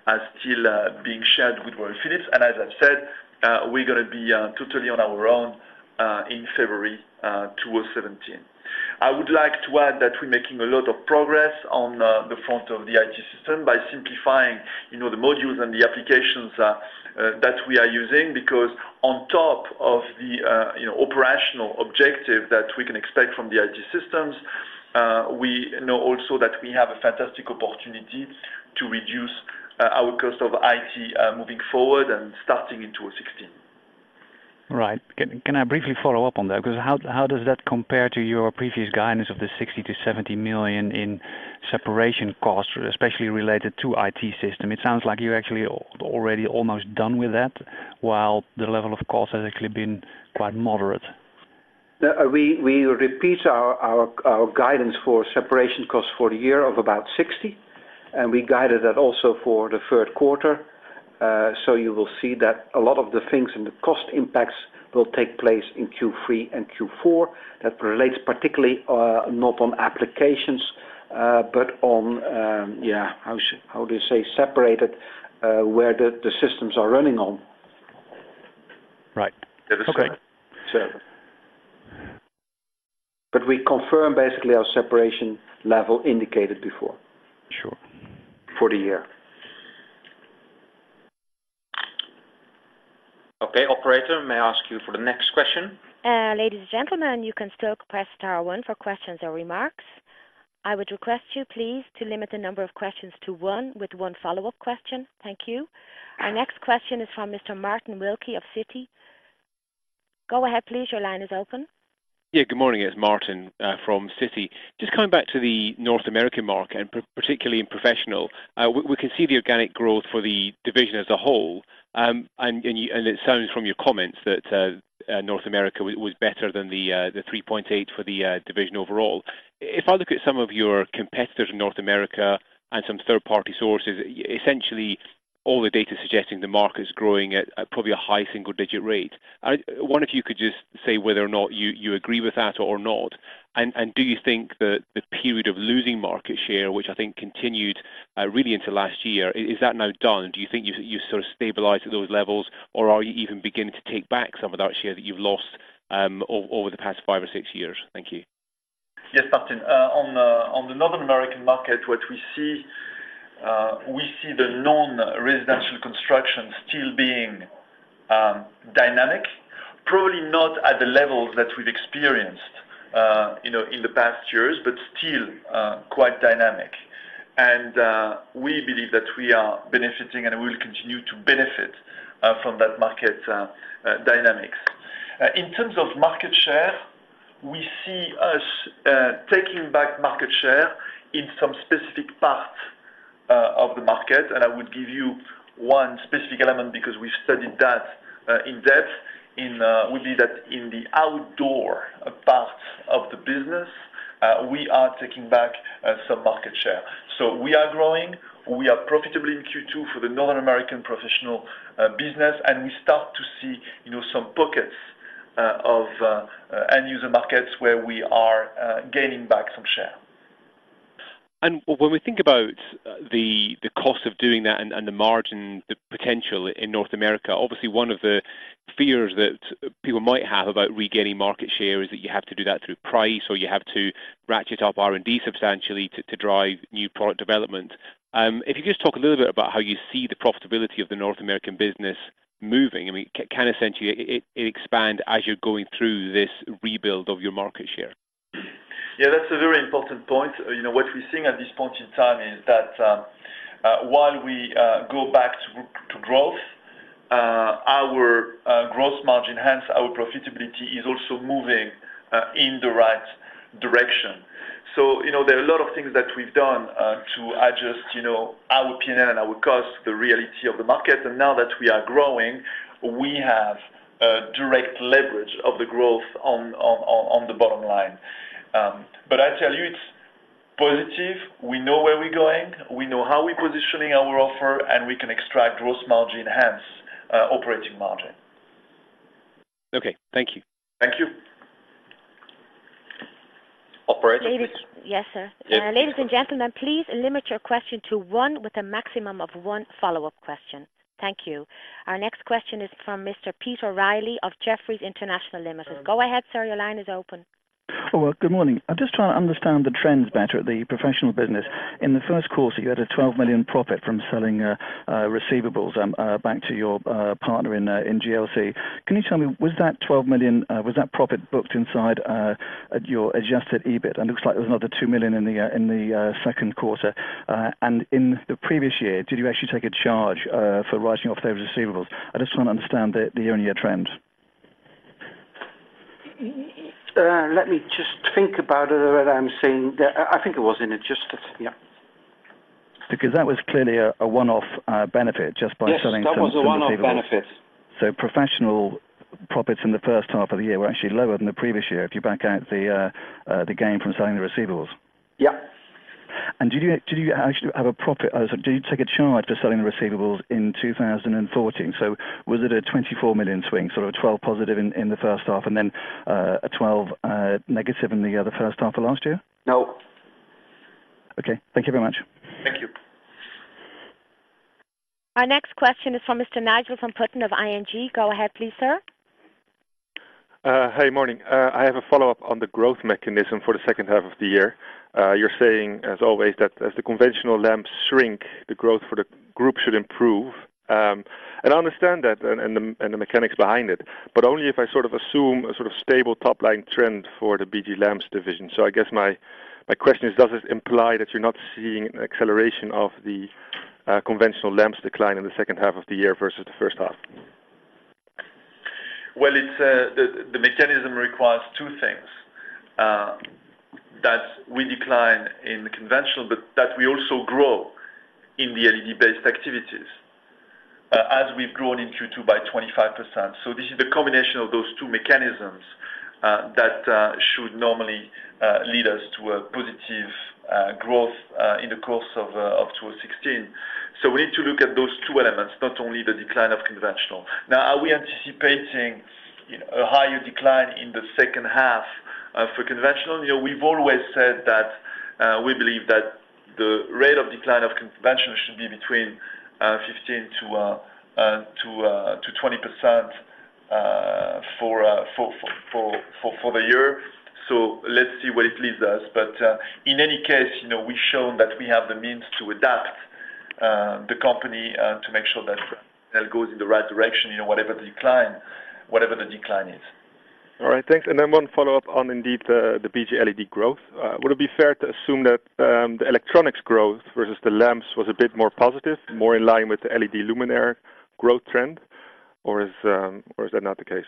are still being shared with Royal Philips. As I've said, we're going to be totally on our own in February 2017. I would like to add that we're making a lot of progress on the front of the IT system by simplifying the modules and the applications that we are using because on top of the operational objective that we can expect from the IT systems, we know also that we have a fantastic opportunity to reduce our cost of IT moving forward and starting in 2016. Right. Can I briefly follow up on that? Because how does that compare to your previous guidance of the 60 million-70 million in separation costs, especially related to IT system? It sounds like you're actually already almost done with that, while the level of cost has actually been quite moderate. We repeat our guidance for separation costs for the year of about 60, and we guided that also for the third quarter. You will see that a lot of the things in the cost impacts will take place in Q3 and Q4. That relates particularly not on applications, but on, how do you say, separated, where the systems are running on. Right. Okay. We confirm basically our separation level indicated before. Sure. For the year. Okay. Operator, may I ask you for the next question? Ladies and gentlemen, you can still press star one for questions or remarks. I would request you please to limit the number of questions to one with one follow-up question. Thank you. Our next question is from Mr. Martin Wilkie of Citi. Go ahead, please. Your line is open. Yeah, good morning. It's Martin from Citi. Just coming back to the North American market, and particularly in professional. We can see the organic growth for the division as a whole. It sounds from your comments that North America was better than the 3.8 for the division overall. If I look at some of your competitors in North America and some third-party sources, essentially all the data suggesting the market is growing at probably a high single-digit rate. I wonder if you could just say whether or not you agree with that or not. Do you think that the period of losing market share, which I think continued really into last year, is that now done? Do you think you've sort of stabilized at those levels, or are you even beginning to take back some of that share that you've lost over the past five or six years? Thank you. Yes, Martin. On the North American market, what we see, we see the non-residential construction still being dynamic. Probably not at the levels that we've experienced in the past years, but still quite dynamic. And we believe that we are benefiting and will continue to benefit from that market dynamics. In terms of market share, we see us taking back market share in some specific parts of the market. And I would give you one specific element because we've studied that in depth. We see that in the outdoor parts of the business, we are taking back some market share. So we are growing, we are profitable in Q2 for the North American professional business, and we start to see some pockets of end-user markets where we are gaining back some share. And when we think about the cost of doing that and the margin potential in North America, obviously one of the fears that people might have about regaining market share is that you have to do that through price, or you have to ratchet up R&D substantially to drive new product development. If you could just talk a little bit about how you see the profitability of the North American business moving. Can it expand as you're going through this rebuild of your market share? Yeah, that's a very important point. What we're seeing at this point in time is that while we go back to growth, our gross margin, hence our profitability, is also moving in the right direction. So, there are a lot of things that we've done to adjust our P&L and our cost to the reality of the market. And now that we are growing, we have a direct leverage of the growth on the bottom line. But I tell you, it's positive. We know where we're going, we know how we're positioning our offer, and we can extract gross margin, hence operating margin. Okay. Thank you. Thank you. Operator, please. Ladies. Yes, sir. Yes. Ladies and gentlemen, please limit your question to one with a maximum of one follow-up question. Thank you. Our next question is from Mr. Peter Reilly of Jefferies International Limited. Go ahead, sir. Your line is open. Well, good morning. I'm just trying to understand the trends better at the professional business. In the first quarter, you had a 12 million profit from selling receivables back to your partner in GLC. Can you tell me, was that 12 million profit booked inside your adjusted EBIT? It looks like there was another 2 million in the second quarter. In the previous year, did you actually take a charge for writing off those receivables? I just want to understand the year-on-year trend. Let me just think about it. I think it was in Adjusted, yeah. That was clearly a one-off benefit just by selling some receivables. Yes, that was a one-off benefit. Professional profits in the first half of the year were actually lower than the previous year if you back out the gain from selling the receivables. Yeah. Did you take a charge for selling the receivables in 2014? Was it a 24 million swing, a 12 positive in the first half and then a 12 negative in the first half of last year? No. Okay. Thank you very much. Thank you. Our next question is from Mr. Nigel van Putten of ING. Go ahead please, sir. Hey, morning. I have a follow-up on the growth mechanism for the second half of the year. You're saying, as always, that as the conventional lamps shrink, the growth for the group should improve. I understand that and the mechanics behind it, but only if I sort of assume a sort of stable top-line trend for the BG lamps division. I guess my question is, does this imply that you're not seeing an acceleration of the conventional lamps decline in the second half of the year versus the first half? Well, the mechanism requires two things. That we decline in the conventional, but that we also grow in the LED-based activities as we've grown in Q2 by 25%. This is the combination of those two mechanisms that should normally lead us to a positive growth in the course of 2016. We need to look at those two elements, not only the decline of conventional. Now, are we anticipating a higher decline in the second half for conventional? We've always said that we believe that the rate of decline of conventional should be between 15%-20% for the year. Let's see where it leaves us. In any case, we've shown that we have the means to adapt the company to make sure that it goes in the right direction, whatever the decline is. All right. Thanks. One follow-up on indeed the BG LED growth. Would it be fair to assume that the electronics growth versus the lamps was a bit more positive, more in line with the LED luminaire growth trend, or is that not the case?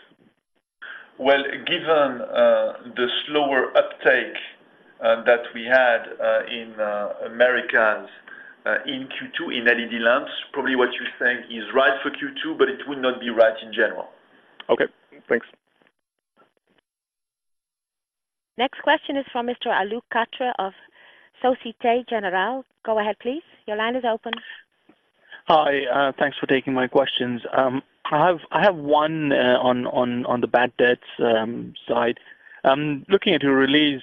Well, given the slower uptake that we had in Americas in Q2 in LED lamps, probably what you're saying is right for Q2, but it would not be right in general. Okay, thanks. Next question is from Mr. Alok Kumar of Société Générale. Go ahead, please. Your line is open. Hi, thanks for taking my questions. I have one on the bad debts side. Looking at your release,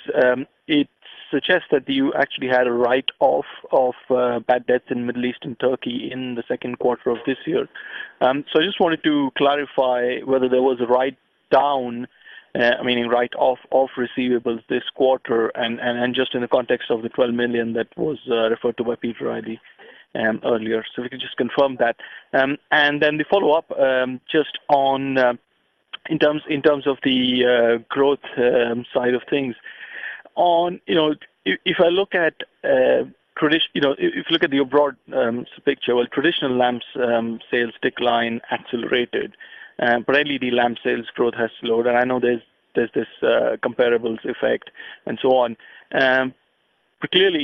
it suggests that you actually had a write-off of bad debts in Middle East and Turkey in the second quarter of this year. So I just wanted to clarify whether there was a write-down, meaning write-off, of receivables this quarter and just in the context of the 12 million that was referred to by Peter Reilly earlier. So if you could just confirm that. The follow-up, just in terms of the growth side of things. If I look at the broad picture, well, traditional lamps sales decline accelerated, LED lamp sales growth has slowed. I know there's this comparables effect and so on. Clearly,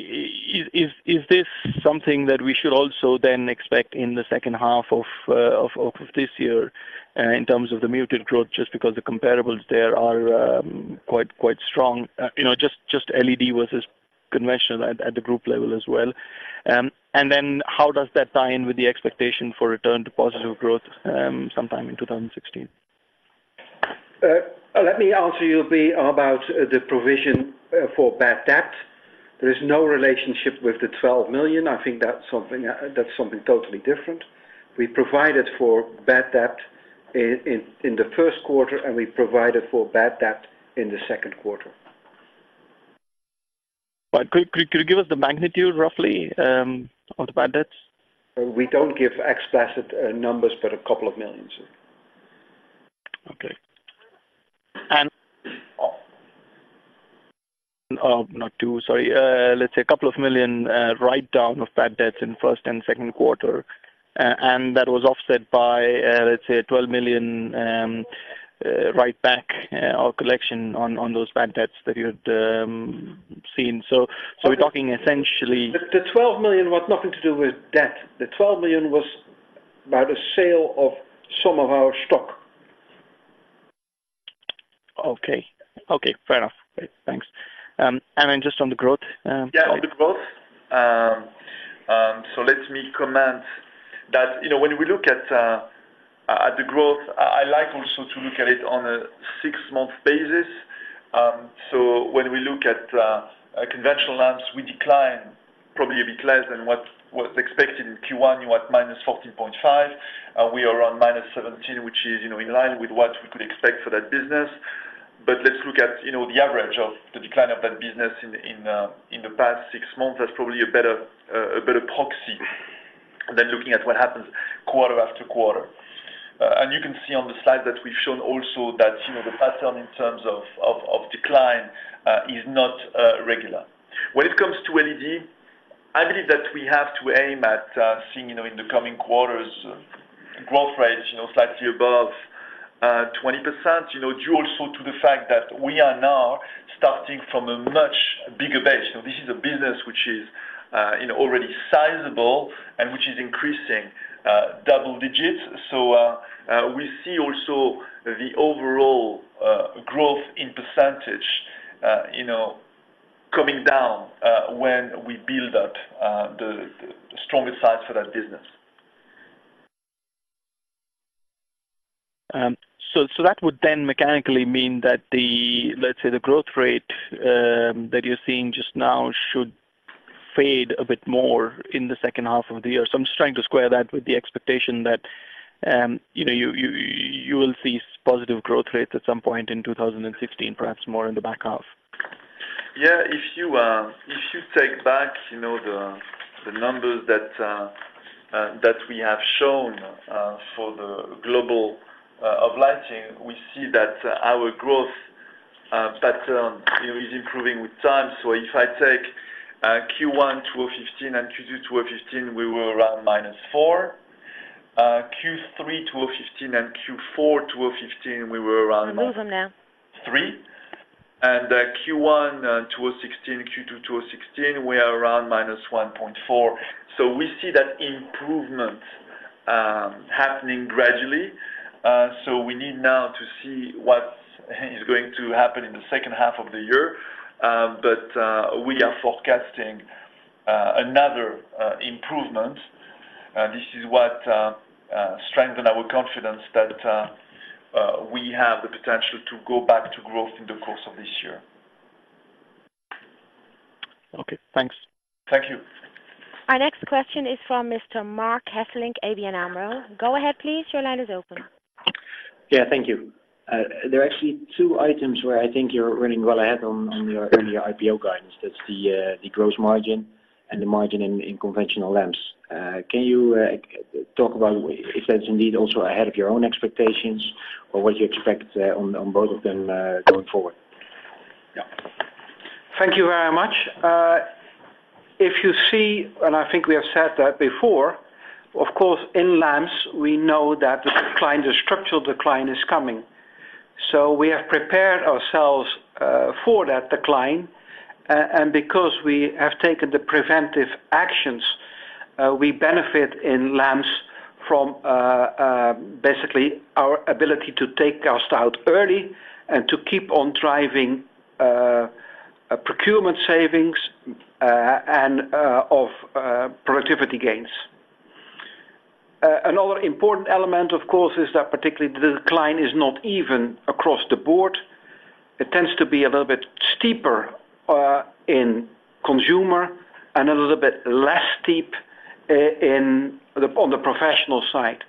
is this something that we should also then expect in the second half of this year in terms of the muted growth, just because the comparables there are quite strong, just LED versus conventional at the group level as well? How does that tie in with the expectation for return to positive growth sometime in 2016? Let me answer you, Ben, about the provision for bad debt. There is no relationship with the 12 million. I think that's something totally different. We provided for bad debt in the first quarter, and we provided for bad debt in the second quarter. Could you give us the magnitude, roughly, of the bad debts? We don't give explicit numbers, but a couple of EUR millions. Okay. Not two, sorry. Let's say a couple of million write-down of bad debts in first and second quarter, and that was offset by, let's say, 12 million, write back or collection on those bad debts that you had seen. We're talking essentially. The 12 million was nothing to do with debt. The 12 million was by the sale of some of our stock. Okay. Fair enough. Great. Thanks. Then just on the growth. On the growth. Let me comment that when we look at the growth, I like also to look at it on a six-month basis. When we look at conventional lamps, we decline probably a bit less than what's expected in Q1. You're at -14.5%. We are around -17%, which is in line with what we could expect for that business. Let's look at the average of the decline of that business in the past six months. That's probably a better proxy than looking at what happens quarter after quarter. You can see on the slide that we've shown also that the pattern in terms of decline is not regular. When it comes to LED, I believe that we have to aim at seeing in the coming quarters growth rate slightly above 20%, due also to the fact that we are now starting from a much bigger base. This is a business which is already sizable and which is increasing double digits. We see also the overall growth in percentage coming down when we build out the stronger sides for that business. That would mechanically mean that the, let's say, the growth rate that you're seeing just now should fade a bit more in the second half of the year. I'm just trying to square that with the expectation that you will see positive growth rates at some point in 2016, perhaps more in the back half. Yeah. If you take back the numbers that we have shown for the global of lighting, we see that our growth pattern is improving with time. If I take Q1 2015 and Q2 2015, we were around -4%. Q3 2015 and Q4 2015, we were around Remove them now -3%. Q1 2016, Q2 2016, we are around -1.4%. We see that improvement happening gradually. We need now to see what is going to happen in the second half of the year. We are forecasting another improvement. This is what strengthen our confidence that we have the potential to go back to growth in the course of this year. Okay, thanks. Thank you. Our next question is from Mr. Marc Hesselink, ABN AMRO. Go ahead, please. Your line is open. Yeah, thank you. There are actually two items where I think you're running well ahead on your IPO guidance. That's the gross margin and the margin in conventional lamps. Can you talk about if that's indeed also ahead of your own expectations, or what you expect on both of them going forward? Yeah. Thank you very much. If you see, I think we have said that before, of course, in lamps, we know that the decline, the structural decline is coming. We have prepared ourselves for that decline. Because we have taken the preventive actions, we benefit in lamps from basically our ability to take cost out early and to keep on driving procurement savings and of productivity gains. Another important element, of course, is that particularly the decline is not even across the board. It tends to be a little bit steeper in consumer and a little bit less steep on the professional side.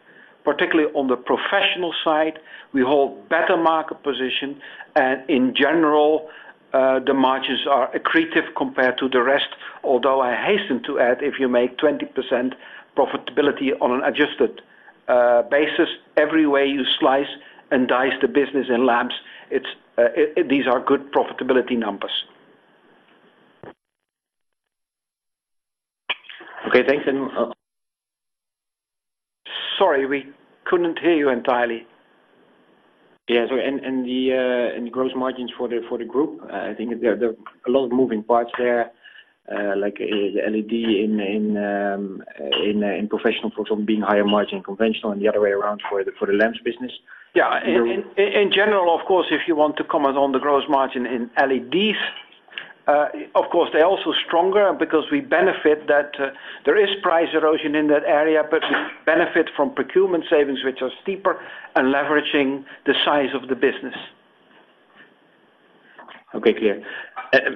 Particularly on the professional side, we hold better market position, and in general, the margins are accretive compared to the rest. Although I hasten to add, if you make 20% profitability on an adjusted basis, every way you slice and dice the business in lamps, these are good profitability numbers. Okay. Thanks. Sorry, we couldn't hear you entirely. Sorry. The gross margins for the group, I think there are a lot of moving parts there, like LED in professional, for example, being higher margin conventional and the other way around for the lamps business. Yeah. In general, of course, if you want to comment on the gross margin in LEDs, of course, they're also stronger because we benefit that there is price erosion in that area, but we benefit from procurement savings, which are steeper and leveraging the size of the business. Okay, clear.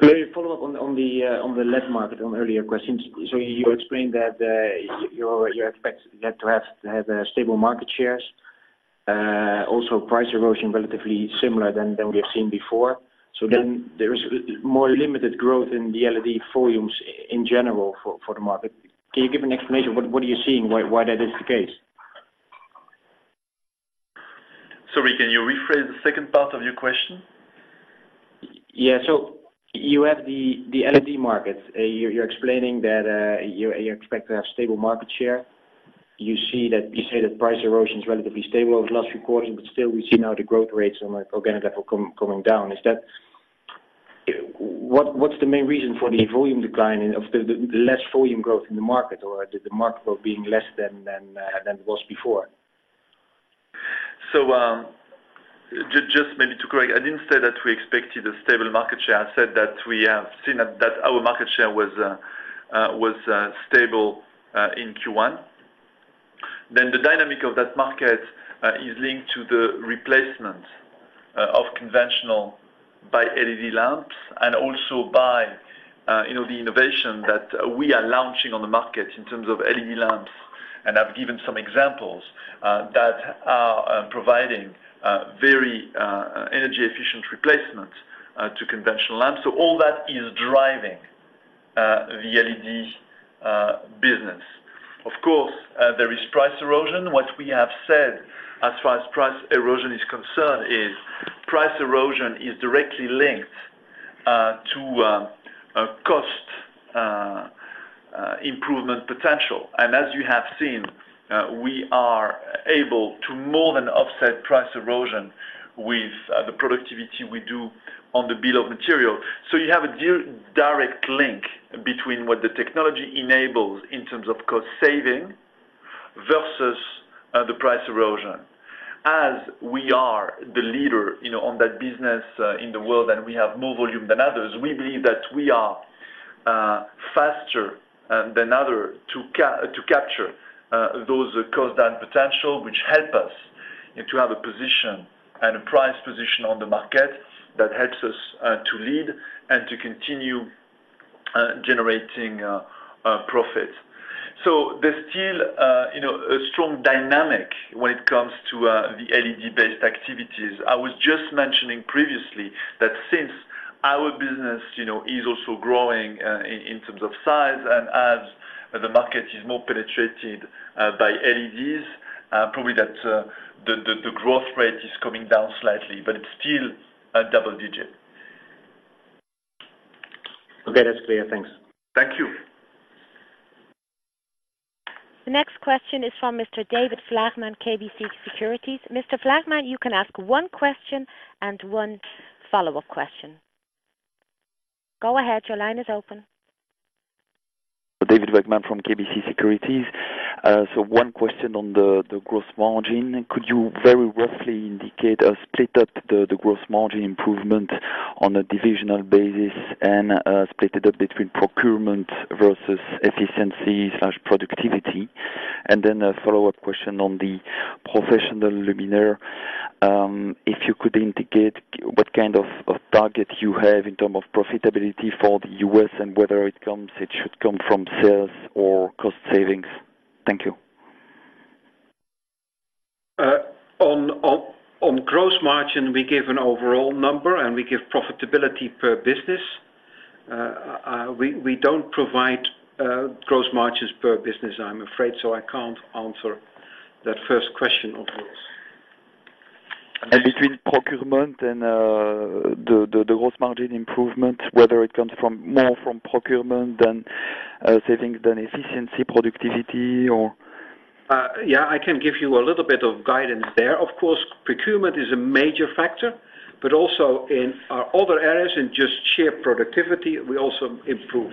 Maybe a follow-up on the LED market on earlier questions. You explained that you expect to have stable market shares, also price erosion relatively similar than we have seen before. Yes. There is more limited growth in the LED volumes in general for the market. Can you give an explanation? What are you seeing why that is the case? Sorry, can you rephrase the second part of your question? Yeah. You have the LED market. You're explaining that you expect to have stable market share. You say that price erosion is relatively stable over the last few quarters, still we see now the growth rates on an organic level coming down. What's the main reason for the volume decline of the less volume growth in the market, or the market being less than it was before? Just maybe to correct, I didn't say that we expected a stable market share. I said that we have seen that our market share was stable in Q1. The dynamic of that market is linked to the replacement of conventional by LED lamps, also by the innovation that we are launching on the market in terms of LED lamps. I've given some examples that are providing very energy-efficient replacement to conventional lamps. All that is driving the LED business. Of course, there is price erosion. What we have said as far as price erosion is concerned is price erosion is directly linked to cost improvement potential. As you have seen, we are able to more than offset price erosion with the productivity we do on the bill of material. You have a direct link between what the technology enables in terms of cost saving versus the price erosion. As we are the leader on that business in the world, and we have more volume than others, we believe that we are faster than others to capture those cost down potential, which help us to have a position and a price position on the market that helps us to lead and to continue generating profit. There's still a strong dynamic when it comes to the LED-based activities. I was just mentioning previously that since our business is also growing in terms of size and as the market is more penetrated by LEDs, probably that the growth rate is coming down slightly, but it's still double digit. Okay, that's clear. Thanks. Thank you. The next question is from Mr. David Vagman, KBC Securities. Mr. Vagman, you can ask one question and one follow-up question. Go ahead, your line is open. David Vagman from KBC Securities. One question on the gross margin. Could you very roughly indicate or split up the gross margin improvement on a divisional basis and split it up between procurement versus efficiency/productivity? Then a follow-up question on the professional luminaire. If you could indicate what kind of target you have in term of profitability for the U.S. and whether it should come from sales or cost savings. Thank you. On gross margin, we give an overall number. We give profitability per business. We don't provide gross margins per business, I'm afraid. I can't answer that first question, of course. Between procurement and the gross margin improvement, whether it comes more from procurement than savings than efficiency, productivity, or? Yeah, I can give you a little bit of guidance there. Of course, procurement is a major factor, but also in our other areas, in just sheer productivity, we also improve.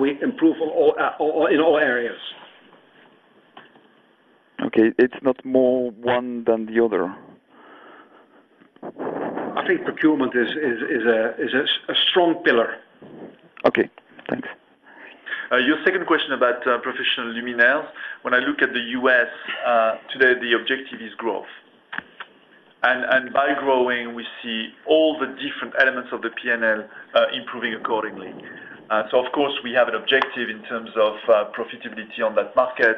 We improve in all areas. Okay. It's not more one than the other? I think procurement is a strong pillar. Okay, thanks. Your second question about professional luminaires. When I look at the U.S. today, the objective is growth. By growing, we see all the different elements of the P&L improving accordingly. Of course, we have an objective in terms of profitability on that market,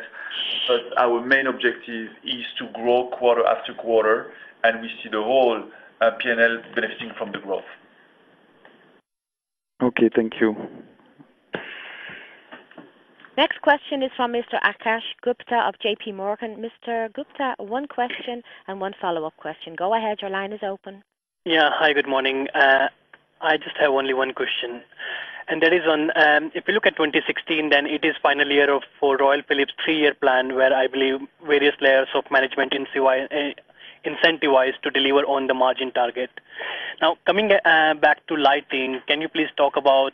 but our main objective is to grow quarter after quarter, we see the whole P&L benefiting from the growth. Okay, thank you. Next question is from Mr. Akash Gupta of JP Morgan. Mr. Gupta, one question and one follow-up question. Go ahead, your line is open. Yeah. Hi, good morning. I just have only one question. That is on, if you look at 2016, then it is final year for Royal Philips' three-year plan, where I believe various layers of management incentivize to deliver on the margin target. Coming back to lighting, can you please talk about,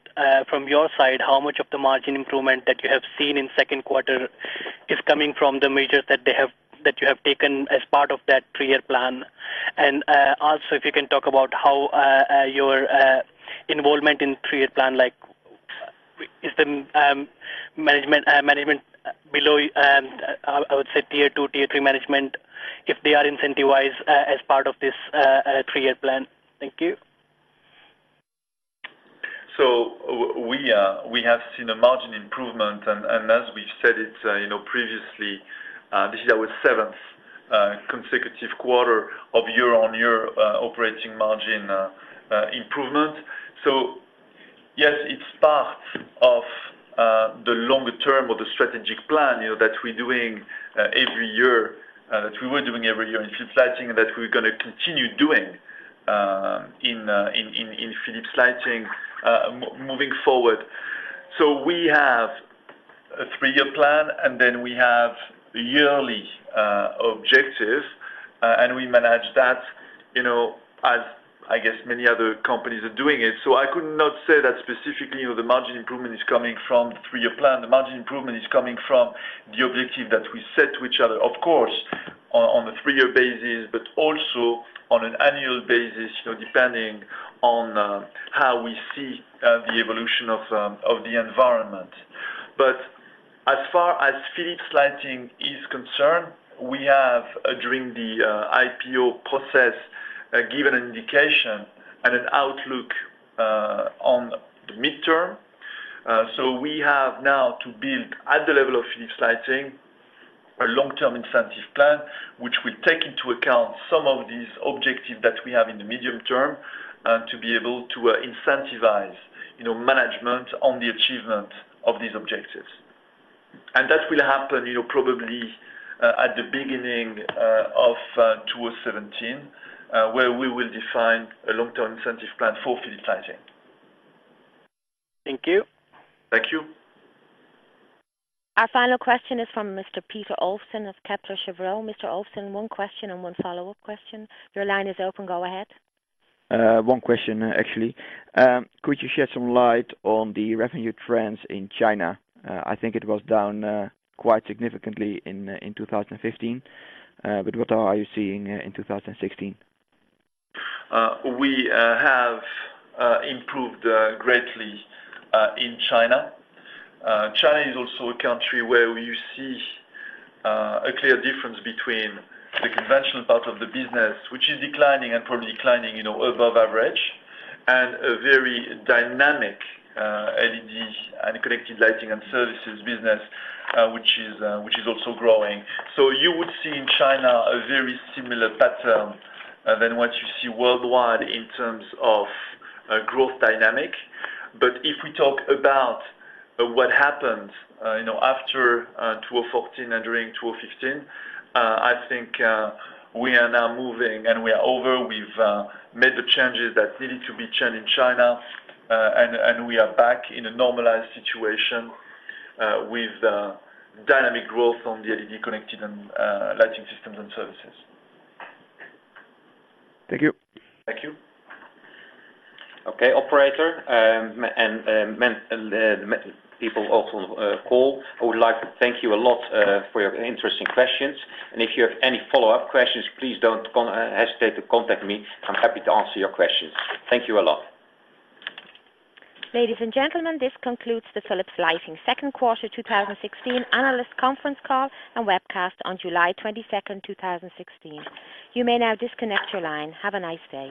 from your side, how much of the margin improvement that you have seen in second quarter is coming from the measures that you have taken as part of that three-year plan. Also if you can talk about how your involvement in three-year plan, is the management below, I would say tier 2, tier 3 management, if they are incentivized as part of this three-year plan. Thank you. We have seen a margin improvement and as we've said it previously, this is our seventh consecutive quarter of year-on-year operating margin improvement. Yes, it's part of the longer term or the strategic plan that we're doing every year, that we were doing every year in Philips Lighting, that we're going to continue doing in Philips Lighting moving forward. We have a three-year plan, and then we have yearly objectives, and we manage that as I guess many other companies are doing it. I could not say that specifically, the margin improvement is coming from the three-year plan. The margin improvement is coming from the objective that we set to each other, of course, on a three-year basis, but also on an annual basis, depending on how we see the evolution of the environment. As far as Philips Lighting is concerned, we have, during the IPO process, given an indication and an outlook on the midterm. We have now to build at the level of Philips Lighting, a long-term incentive plan, which will take into account some of these objectives that we have in the medium term to be able to incentivize management on the achievement of these objectives. That will happen probably at the beginning of 2017, where we will define a long-term incentive plan for Philips Lighting. Thank you. Thank you. Our final question is from Mr. Peter Olofson of Kepler Cheuvreux. Mr. Olofson, one question and one follow-up question. Your line is open. Go ahead. One question, actually. Could you shed some light on the revenue trends in China? I think it was down quite significantly in 2015. What are you seeing in 2016? We have improved greatly in China. China is also a country where you see a clear difference between the conventional part of the business, which is declining and probably declining above average, and a very dynamic LED and connected lighting and services business, which is also growing. You would see in China a very similar pattern than what you see worldwide in terms of growth dynamic. If we talk about what happened after 2014 and during 2015, I think we are now moving and we are over. We've made the changes that needed to be changed in China, and we are back in a normalized situation with dynamic growth on the LED connected and lighting systems and services. Thank you. Thank you. Okay, operator, and people also on call, I would like to thank you a lot for your interesting questions. If you have any follow-up questions, please don't hesitate to contact me. I'm happy to answer your questions. Thank you a lot. Ladies and gentlemen, this concludes the Philips Lighting second quarter 2016 analyst conference call and webcast on July 22nd, 2016. You may now disconnect your line. Have a nice day.